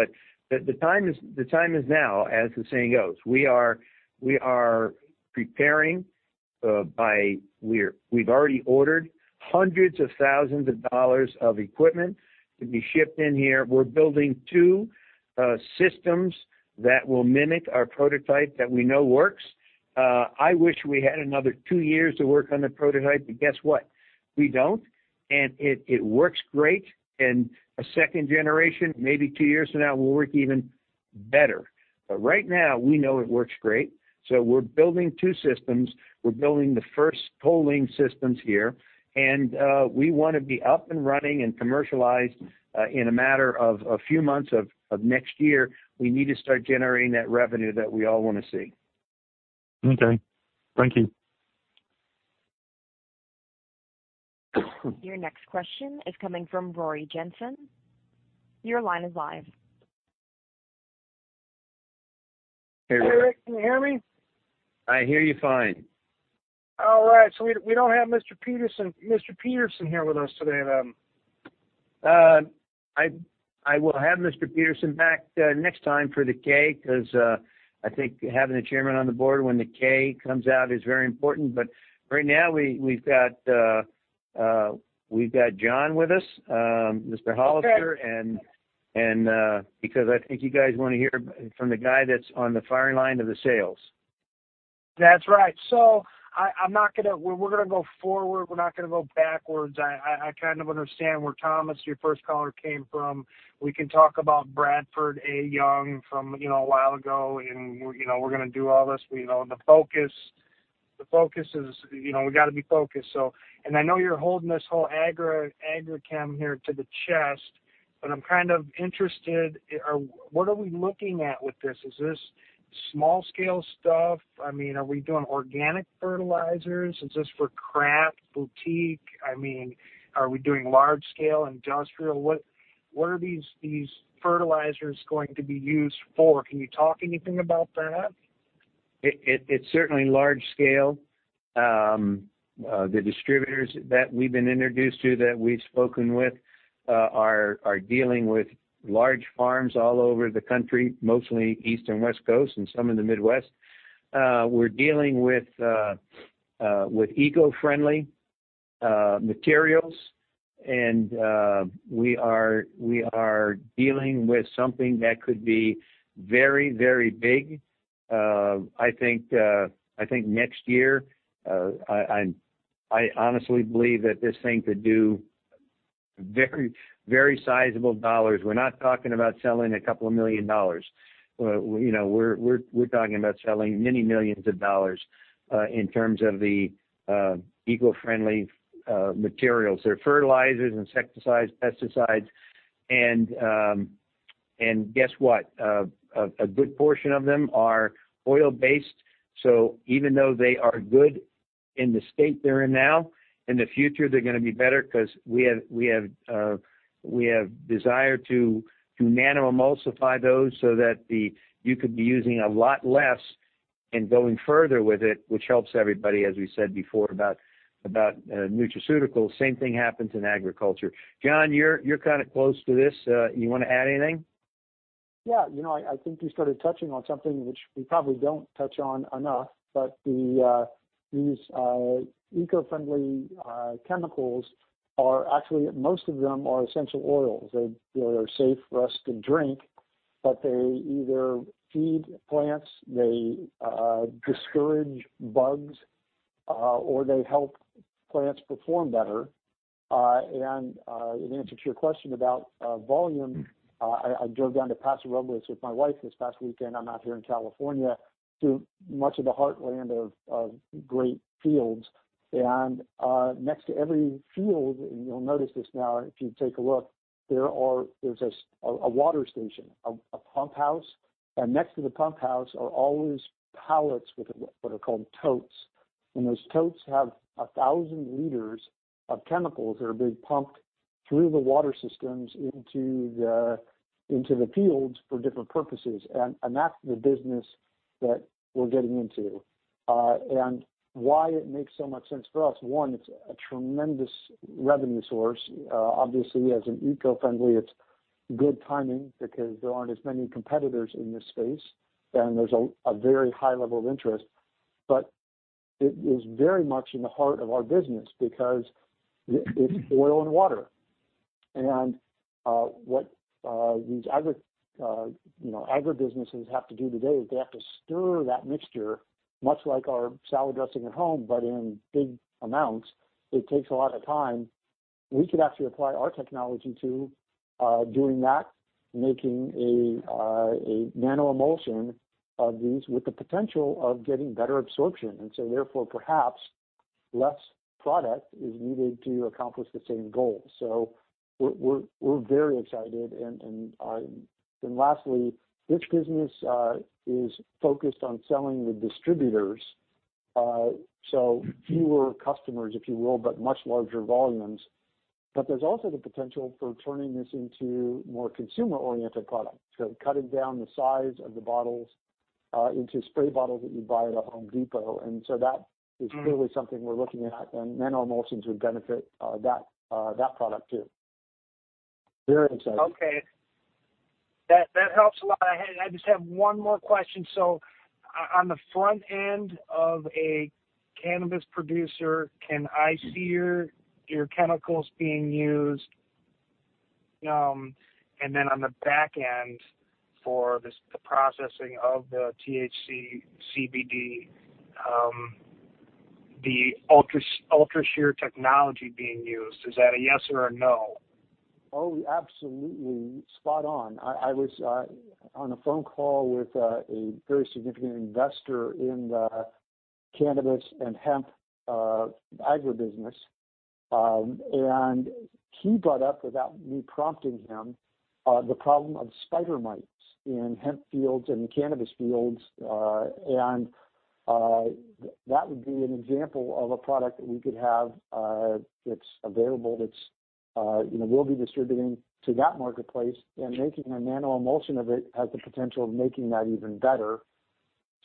The time is now, as the saying goes. We're preparing. We've already ordered hundreds of thousands of dollars of equipment to be shipped in here. We're building two systems that will mimic our prototype that we know works. I wish we had another two years to work on the prototype, but guess what? We don't, and it works great. A second generation, maybe two years from now, will work even better. Right now, we know it works great. We're building two systems. We're building the first toll systems here. We wanna be up and running and commercialized in a matter of a few months of next year. We need to start generating that revenue that we all wanna see. Okay. Thank you. Your next question is coming from Rory Jensen. Your line is live. Hey, Rick. Hey, Rick. Can you hear me? I hear you fine. All right. We don't have Mr. Peterson here with us today. I will have Mr. Peterson back next time for the K because I think having the chairman on the board when the K comes out is very important. Right now we've got John with us, Mr. Hollister. Okay. Because I think you guys wanna hear from the guy that's on the firing line of the sales. That's right. We're gonna go forward. We're not gonna go backwards. I kind of understand where Thomas, your first caller, came from. We can talk about Bradford A. Young from, you know, a while ago and we're gonna do all this. You know, the focus is, you know, we gotta be focused. I know you're holding this whole Agrochem here to the chest, but I'm kind of interested what are we looking at with this? Is this small scale stuff? I mean, are we doing organic fertilizers? Is this for craft, boutique? I mean, are we doing large scale industrial? What are these fertilizers going to be used for? Can you talk anything about that? It's certainly large scale. The distributors that we've been introduced to, that we've spoken with are dealing with large farms all over the country, mostly East and West Coast and some in the Midwest. We're dealing with eco-friendly materials, and we are dealing with something that could be very, very big. I think next year I honestly believe that this thing could do very, very sizable dollars. We're not talking about selling a couple of million dollars. You know, we're talking about selling many millions of dollars in terms of the eco-friendly materials. They're fertilizers, insecticides, pesticides. Guess what? A good portion of them are oil-based, so even though they are good in the state they're in now, in the future they're gonna be better 'cause we have desire to nanoemulsify those so that you could be using a lot less and going further with it, which helps everybody, as we said before about nutraceutical. Same thing happens in agriculture. John, you're kinda close to this. You wanna add anything? Yeah. You know, I think you started touching on something which we probably don't touch on enough. These eco-friendly chemicals are actually, most of them are essential oils. They're safe for us to drink, but they either feed plants, they discourage bugs, or they help plants perform better. In answer to your question about volume, I drove down to Paso Robles with my wife this past weekend. I'm out here in California, through much of the heartland of great fields. Next to every field, and you'll notice this now if you take a look, there's a water station, a pump house. Next to the pump house are always pallets with what are called totes. Those totes have 1,000 liters of chemicals that are being pumped through the water systems into the fields for different purposes. That's the business that we're getting into. Why it makes so much sense for us, one, it's a tremendous revenue source. Obviously as an eco-friendly, it's good timing because there aren't as many competitors in this space, and there's a very high level of interest. It is very much in the heart of our business because it's oil and water. These agribusinesses have to do today is they have to stir that mixture much like our salad dressing at home, but in big amounts. It takes a lot of time. We could actually apply our technology to doing that, making a nanoemulsion of these with the potential of getting better absorption. Therefore, perhaps less product is needed to accomplish the same goal. We're very excited. Lastly, this business is focused on selling to distributors, so fewer customers, if you will, but much larger volumes. There's also the potential for turning this into more consumer-oriented products. Cutting down the size of the bottles into spray bottles that you buy at a Home Depot. That is clearly something we're looking at, and nanoemulsions would benefit that product too. Very excited. Okay. That helps a lot. I just have one more question. On the front end of a cannabis producer, can I see your chemicals being used? On the back end for this, the processing of the THC, CBD, the UltraShear Technology being used, is that a yes or a no? Oh, absolutely. Spot on. I was on a phone call with a very significant investor in the cannabis and hemp agribusiness. He brought up, without me prompting him, the problem of spider mites in hemp fields and cannabis fields. That would be an example of a product that we could have that's available, you know, we'll be distributing to that marketplace. Making a nanoemulsion of it has the potential of making that even better.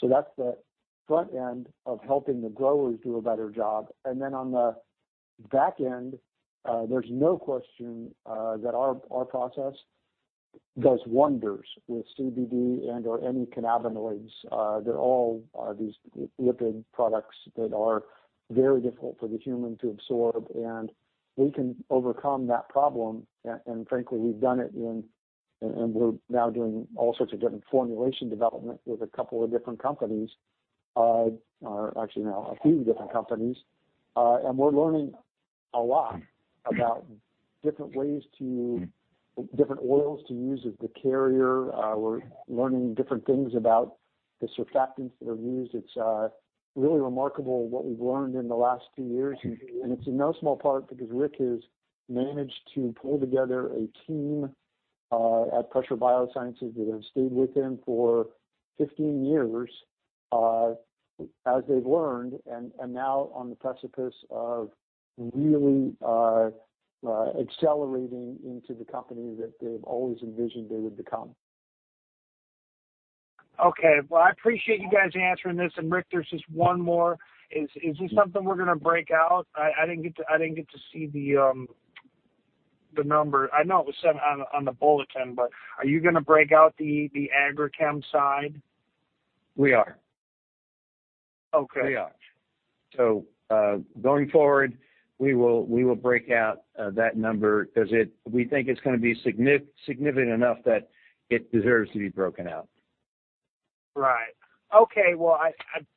That's the front end of helping the growers do a better job. On the back end, there's no question that our process does wonders with CBD and/or any cannabinoids. They're all these lipid products that are very difficult for the human to absorb, and we can overcome that problem. Frankly, we've done it in and we're now doing all sorts of different formulation development with a couple of different companies. Or actually now a few different companies. We're learning a lot about different oils to use as the carrier. We're learning different things about the surfactants that are used. It's really remarkable what we've learned in the last two years. It's in no small part because Rick has managed to pull together a team at Pressure BioSciences that have stayed with him for 15 years. As they've learned and now on the precipice of really accelerating into the company that they've always envisioned they would become. Okay. Well, I appreciate you guys answering this. Rick, there's just one more. Is this something we're gonna break out? I didn't get to see the number. I know it was said on the bulletin, but are you gonna break out the Agrochem side? We are. Okay. We are. Going forward, we will break out that number 'cause it, we think it's gonna be significant enough that it deserves to be broken out. Right. Okay. Well, I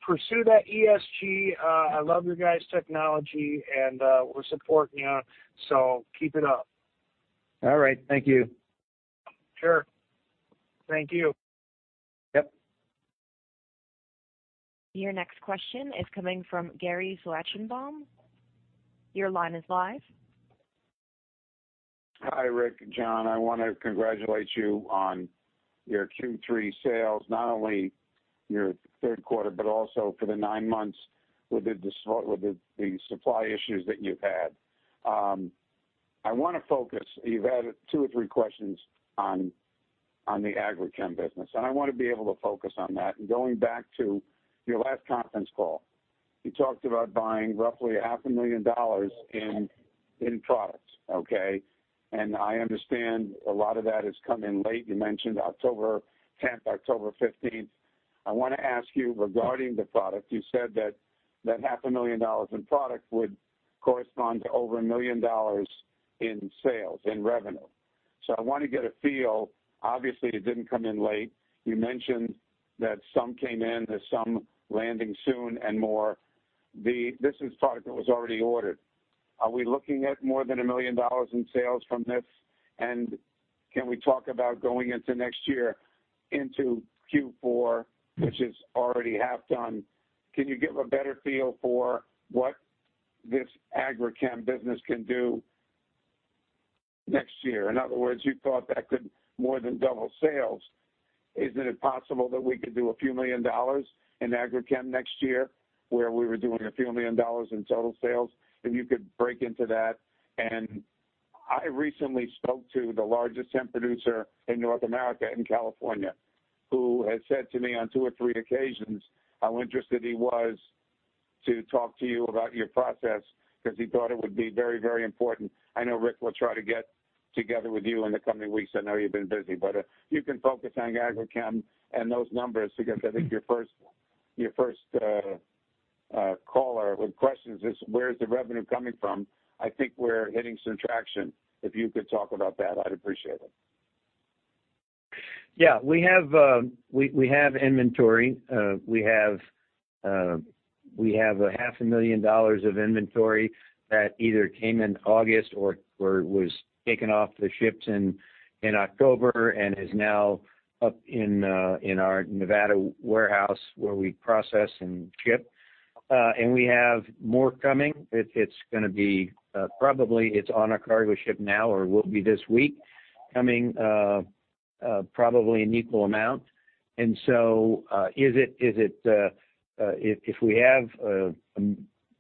pursue that ESG. I love your guys' technology, and we're supporting you, so keep it up. All right. Thank you. Sure. Thank you. Yep. Your next question is coming from Gary Slachenbaum. Your line is live. Hi, Rick and John. I wanna congratulate you on your Q3 sales, not only your third quarter, but also for the nine months with the supply issues that you've had. I wanna focus. You've had two or three questions on the Agrochem business, and I wanna be able to focus on that. Going back to your last conference call, you talked about buying roughly half a million dollars in products, okay? I understand a lot of that has come in late. You mentioned October 10, October 15. I wanna ask you regarding the product. You said that half a million dollars in product would correspond to over a million dollars in sales, in revenue. I wanna get a feel. Obviously, it didn't come in late. You mentioned that some came in, there's some landing soon and more. This is product that was already ordered. Are we looking at more than $1 million in sales from this? Can we talk about going into next year into Q4, which is already half done? Can you give a better feel for what this Agrochem business can do next year? In other words, you thought that could more than double sales. Isn't it possible that we could do a few $ million in Agrochem next year, where we were doing a few $ million in total sales? If you could break into that. I recently spoke to the largest hemp producer in North America in California, who has said to me on two or three occasions how interested he was to talk to you about your process because he thought it would be very, very important. I know Rick will try to get together with you in the coming weeks. I know you've been busy. If you can focus on agrochem and those numbers, because I think your first caller with questions is, "Where is the revenue coming from?" I think we're hitting some traction. If you could talk about that, I'd appreciate it. Yeah. We have inventory. We have a half a million dollars of inventory that either came in August or was taken off the ships in October and is now up in our Nevada warehouse where we process and ship. We have more coming. It's gonna be probably on a cargo ship now or will be this week, coming probably an equal amount. Is it if we have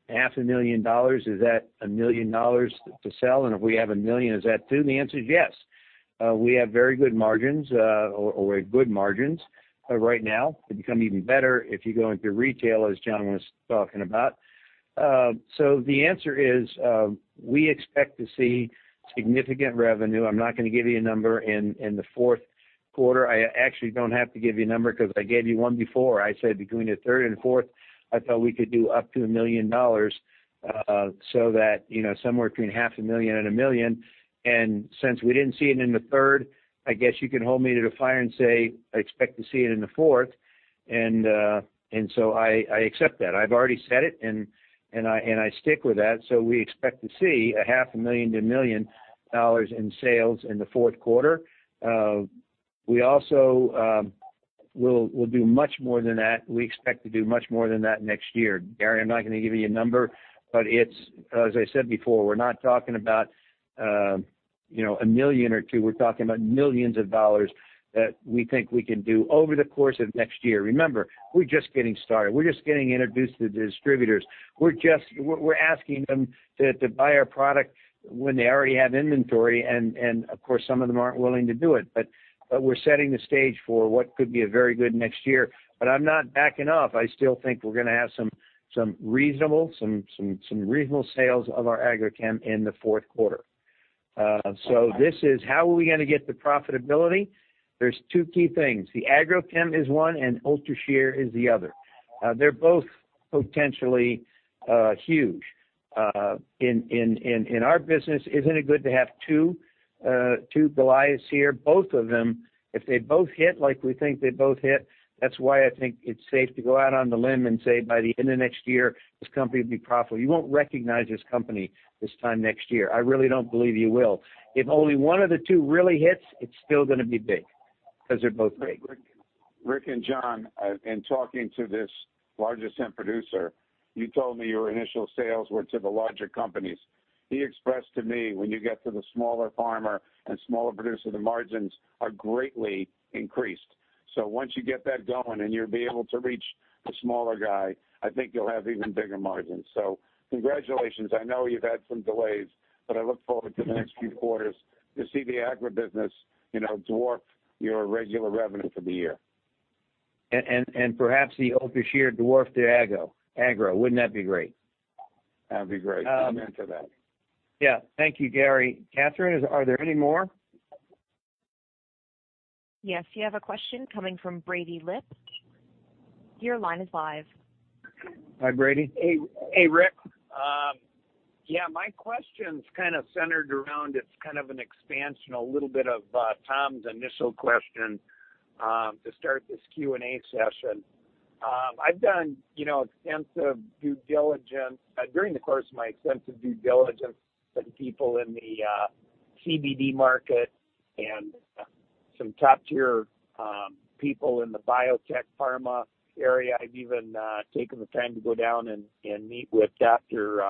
half a million dollars, is that $1 million to sell? If we have $1 million, is that $2 million? The answer is yes. We have very good margins or good margins right now. They become even better if you go into retail, as John was talking about. The answer is, we expect to see significant revenue. I'm not gonna give you a number in the fourth quarter. I actually don't have to give you a number 'cause I gave you one before. I said between the third and fourth, I thought we could do up to $1 million, so that, you know, somewhere between half a million and $1 million. Since we didn't see it in the third, I guess you can hold me to the fire and say, I expect to see it in the fourth. I accept that. I've already said it and I stick with that. We expect to see half a million to $1 million in sales in the fourth quarter. We also will do much more than that. We expect to do much more than that next year. Gary, I'm not gonna give you a number, but it's. As I said before, we're not talking about $1 million or $2 million. We're talking about $ millions that we think we can do over the course of next year. Remember, we're just getting started. We're just getting introduced to distributors. We're asking them to buy our product when they already have inventory and of course, some of them aren't willing to do it. We're setting the stage for what could be a very good next year. I'm not backing off. I still think we're gonna have some reasonable sales of our agrochem in the fourth quarter. This is how we're gonna get the profitability. There's two key things. The Agrochem is one and UltraShear is the other. They're both potentially huge. In our business, isn't it good to have two Goliaths here? Both of them, if they both hit like we think they both hit, that's why I think it's safe to go out on the limb and say by the end of next year, this company will be profitable. You won't recognize this company this time next year. I really don't believe you will. If only one of the two really hits, it's still gonna be big because they're both big. Rick and John, in talking to this largest hemp producer, you told me your initial sales were to the larger companies. He expressed to me, when you get to the smaller farmer and smaller producer, the margins are greatly increased. Once you get that going and you'll be able to reach the smaller guy, I think you'll have even bigger margins. Congratulations. I know you've had some delays, but I look forward to the next few quarters to see the agri business, you know, dwarf your regular revenue for the year. Perhaps the UltraShear dwarfs the agro. Wouldn't that be great? That'd be great. Amen to that. Yeah. Thank you, Gary. Catherine, are there any more? Yes. You have a question coming from Brady Lipp. Your line is live. Hi, Brady. Hey, hey, Rick. My question's kind of centered around. It's kind of an expansion, a little bit of Tom's initial question to start this Q&A session. I've done, you know, extensive due diligence. During the course of my extensive due diligence with people in the CBD market and some top-tier people in the biotech pharma area, I've even taken the time to go down and meet with Dr.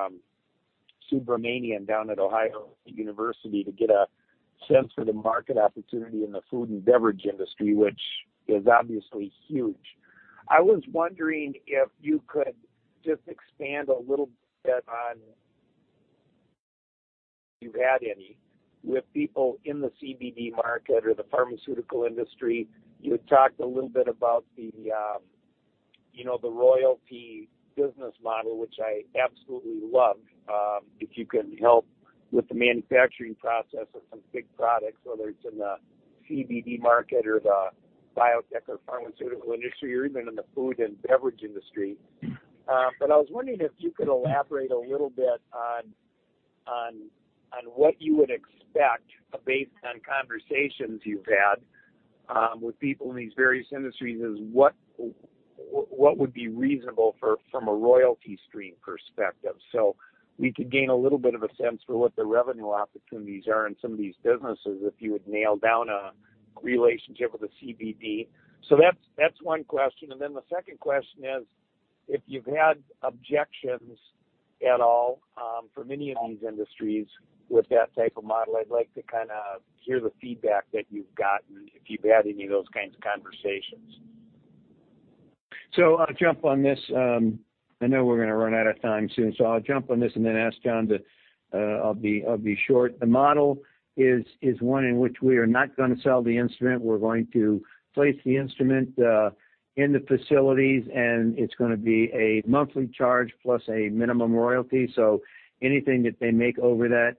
Subramanian down at Ohio University to get a sense for the market opportunity in the food and beverage industry, which is obviously huge. I was wondering if you could just expand a little bit on if you've had any with people in the CBD market or the pharmaceutical industry. You had talked a little bit about the, you know, the royalty business model, which I absolutely love, if you can help with the manufacturing process of some big products, whether it's in the CBD market or the biotech or pharmaceutical industry or even in the food and beverage industry. I was wondering if you could elaborate a little bit on what you would expect based on conversations you've had, with people in these various industries, is what would be reasonable from a royalty stream perspective? We could gain a little bit of a sense for what the revenue opportunities are in some of these businesses if you would nail down a relationship with the CBD. That's one question. The second question is, if you've had objections at all, from any of these industries with that type of model. I'd like to kinda hear the feedback that you've gotten if you've had any of those kinds of conversations. I'll jump on this. I know we're gonna run out of time soon, so I'll jump on this and then ask John to, I'll be short. The model is one in which we are not gonna sell the instrument. We're going to place the instrument in the facilities, and it's gonna be a monthly charge plus a minimum royalty. Anything that they make over that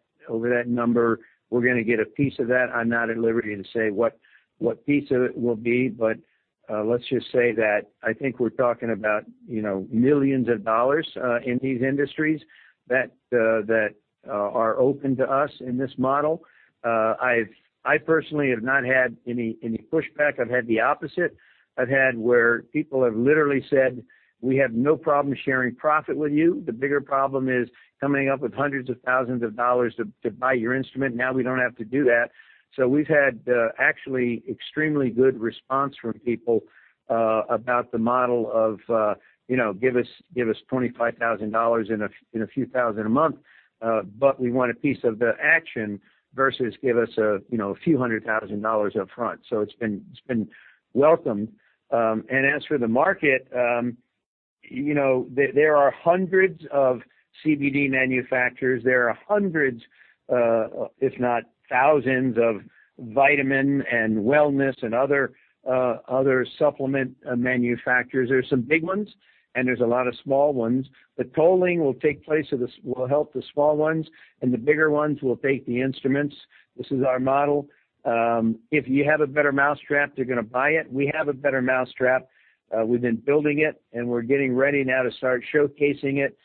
number, we're gonna get a piece of that. I'm not at liberty to say what piece of it will be, but let's just say that I think we're talking about, you know, $ millions in these industries that are open to us in this model. I personally have not had any pushback. I've had the opposite. I've had where people have literally said, "We have no problem sharing profit with you. The bigger problem is coming up with hundreds of thousands of dollars to buy your instrument. Now we don't have to do that." We've had actually extremely good response from people about the model of, you know, give us $25,000 and a few thousand a month, but we want a piece of the action versus give us, you know, a few hundred thousand dollars upfront. It's been welcomed. As for the market, you know, there are hundreds of CBD manufacturers. There are hundreds, if not thousands of vitamin and wellness and other supplement manufacturers. There's some big ones, and there's a lot of small ones. The tolling will take place so this will help the small ones, and the bigger ones will take the instruments. This is our model. If you have a better mousetrap, they're gonna buy it. We have a better mousetrap. We've been building it, and we're getting ready now to start showcasing it.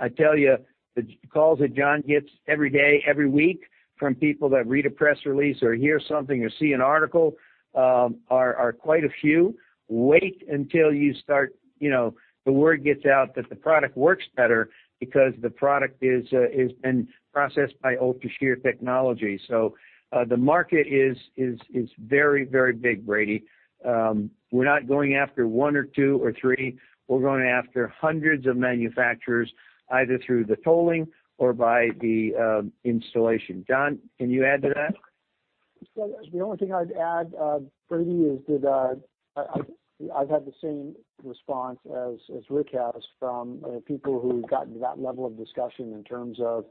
I tell you, the calls that John gets every day, every week from people that read a press release or hear something or see an article are quite a few. Wait until you start you know the word gets out that the product works better because the product has been processed by UltraShear technology. The market is very, very big, Brady. We're not going after one or two or three. We're going after hundreds of manufacturers, either through the tolling or by the installation. John, can you add to that? The only thing I'd add, Brady, is that I've had the same response as Rick has from people who've gotten to that level of discussion in terms of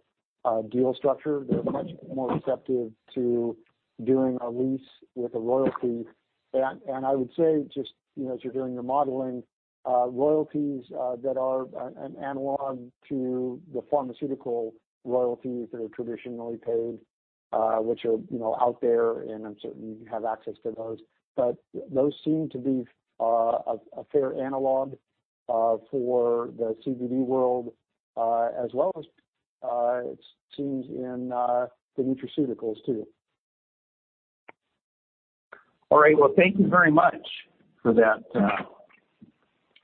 a deal structure. They're much more receptive to doing a lease with a royalty. I would say, just you know, as you're doing your modeling, royalties that are an analog to the pharmaceutical royalties that are traditionally paid, which are, you know, out there, and I'm certain you have access to those. Those seem to be a fair analog for the CBD world, as well as it seems in the nutraceuticals too. All right. Well, thank you very much for that,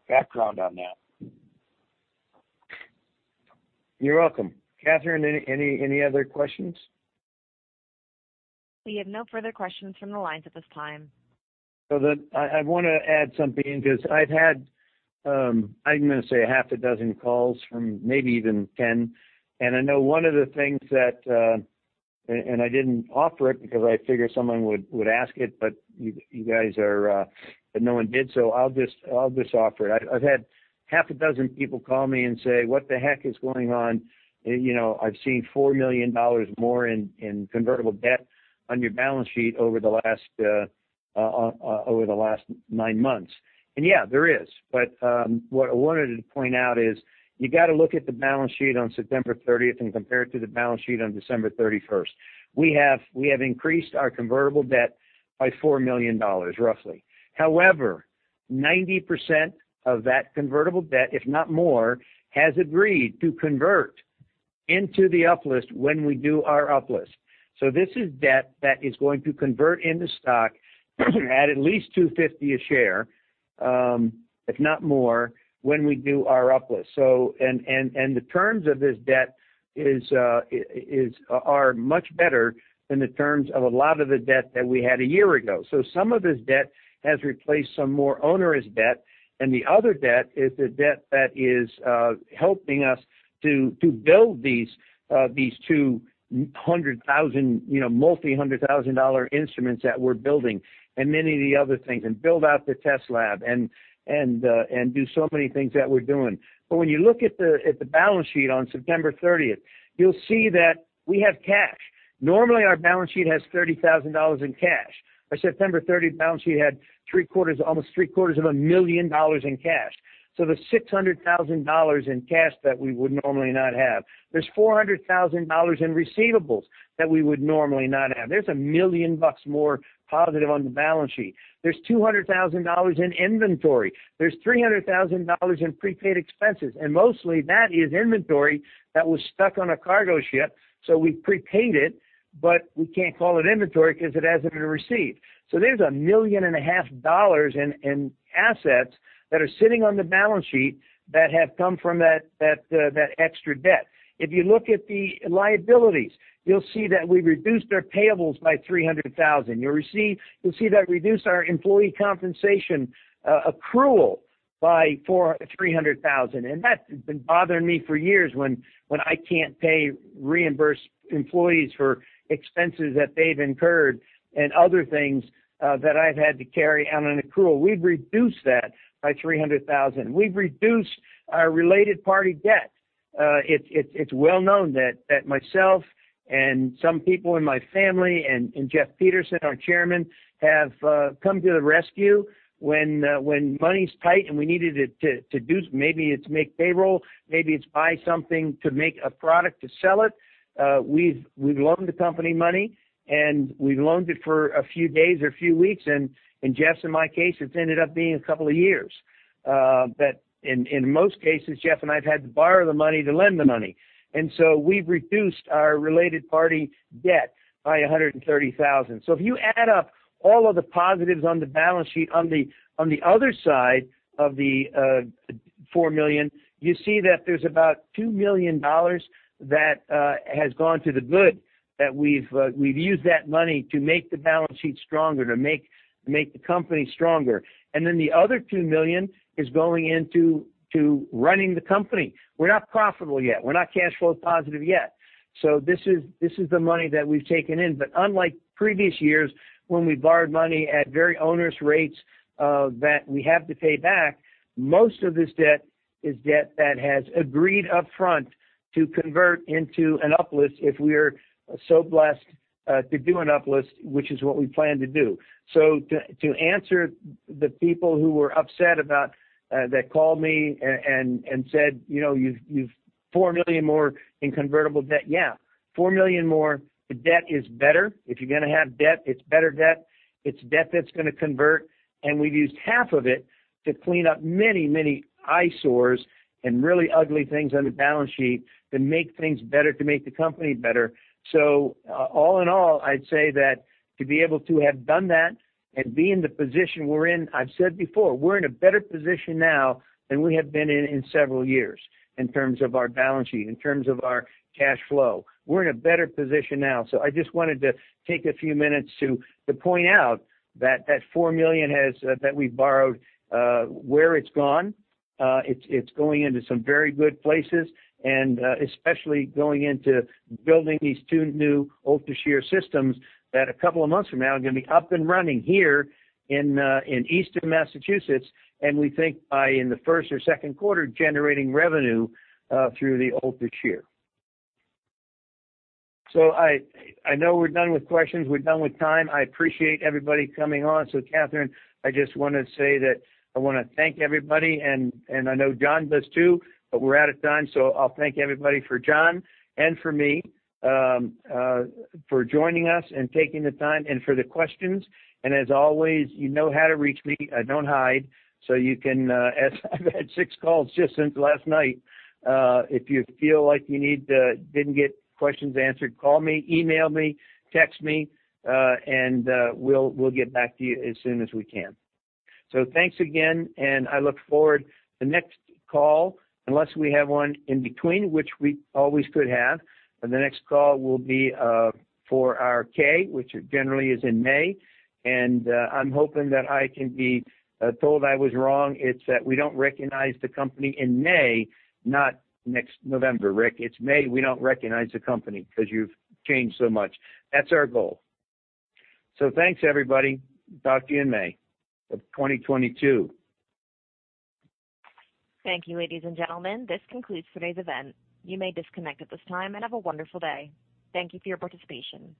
background on that. You're welcome. Catherine, any other questions? We have no further questions from the lines at this time. I wanna add something 'cause I've had, I'm gonna say half a dozen calls from maybe even 10. I know one of the things that and I didn't offer it because I figured someone would ask it, but no one did, so I'll just offer it. I've had half a dozen people call me and say, "What the heck is going on?" You know, I've seen $4 million more in convertible debt on your balance sheet over the last nine months. Yeah, there is. What I wanted to point out is you gotta look at the balance sheet on September thirtieth and compare it to the balance sheet on December thirty-first. We have increased our convertible debt by $4 million, roughly. However, 90% of that convertible debt, if not more, has agreed to convert into the uplist when we do our uplist. This is debt that is going to convert into stock at least $2.50 a share, if not more, when we do our uplist. The terms of this debt are much better than the terms of a lot of the debt that we had a year ago. Some of this debt has replaced some more onerous debt, and the other debt is the debt that is helping us to build these 200,000, you know, multi-hundred thousand dollar instruments that we're building, and many of the other things, and build out the test lab and do so many things that we're doing. When you look at the balance sheet on September thirtieth, you'll see that we have cash. Normally, our balance sheet has $30,000 in cash. Our September thirtieth balance sheet had three-quarters, almost three-quarters of a million dollars in cash. There's $600,000 in cash that we would normally not have. There's $400,000 in receivables that we would normally not have. There's $1 million more positive on the balance sheet. There's $200,000 in inventory. There's $300,000 in prepaid expenses, and mostly that is inventory that was stuck on a cargo ship. We've prepaid it, but we can't call it inventory 'cause it hasn't been received. There's $1.5 million in assets that are sitting on the balance sheet that have come from that extra debt. If you look at the liabilities, you'll see that we reduced our payables by $300,000. You'll see that reduced our employee compensation accrual by $300,000, and that has been bothering me for years when I can't reimburse employees for expenses that they've incurred and other things that I've had to carry on an accrual. We've reduced that by $300,000. We've reduced our related party debt. It's well known that myself and some people in my family and Jeff Peterson, our Chairman, have come to the rescue when money's tight and we needed it to do maybe to make payroll, maybe to buy something to make a product to sell it. We've loaned the company money, and we've loaned it for a few days or a few weeks. In Jeff's and my case, it's ended up being a couple of years. In most cases, Jeff and I have had to borrow the money to lend the money. We've reduced our related party debt by $130,000. If you add up all of the positives on the balance sheet on the other side of the $4 million, you see that there's about $2 million that has gone to the good, that we've used that money to make the balance sheet stronger, to make the company stronger. Then the other $2 million is going into running the company. We're not profitable yet. We're not cash flow positive yet. This is the money that we've taken in. Unlike previous years, when we borrowed money at very onerous rates that we have to pay back, most of this debt is debt that has agreed upfront to convert into an uplist if we're so blessed to do an uplist, which is what we plan to do. To answer the people who were upset about that called me and said, "You've $4 million more in convertible debt." Yeah. $4 million more. The debt is better. If you're gonna have debt, it's better debt. It's debt that's gonna convert. We've used half of it to clean up many eyesores and really ugly things on the balance sheet to make things better, to make the company better. All in all, I'd say that to be able to have done that and be in the position we're in, I've said before, we're in a better position now than we have been in several years in terms of our balance sheet, in terms of our cash flow. We're in a better position now. I just wanted to take a few minutes to point out that $4 million that we've borrowed, where it's gone. It's going into some very good places and especially going into building these two new UltraShear systems that a couple of months from now are gonna be up and running here in Eastern Massachusetts. We think by the first or second quarter, generating revenue through the UltraShear. I know we're done with questions. We're done with time. I appreciate everybody coming on. Catherine, I just wanna say that I wanna thank everybody, and I know John does too, but we're out of time. I'll thank everybody for John and for me for joining us and taking the time and for the questions. As always, you know how to reach me. I don't hide. You can, as I've had six calls just since last night, if you feel like you need, didn't get questions answered, call me, email me, text me, and we'll get back to you as soon as we can. Thanks again, and I look forward to the next call, unless we have one in between, which we always could have. The next call will be for our Q, which generally is in May. I'm hoping that I can be told I was wrong. It's that we don't recognize the company in May, not next November, Rick. It's May, we don't recognize the company 'cause you've changed so much. That's our goal. Thanks, everybody. Talk to you in May of 2022. Thank you, ladies and gentlemen. This concludes today's event. You may disconnect at this time and have a wonderful day. Thank you for your participation.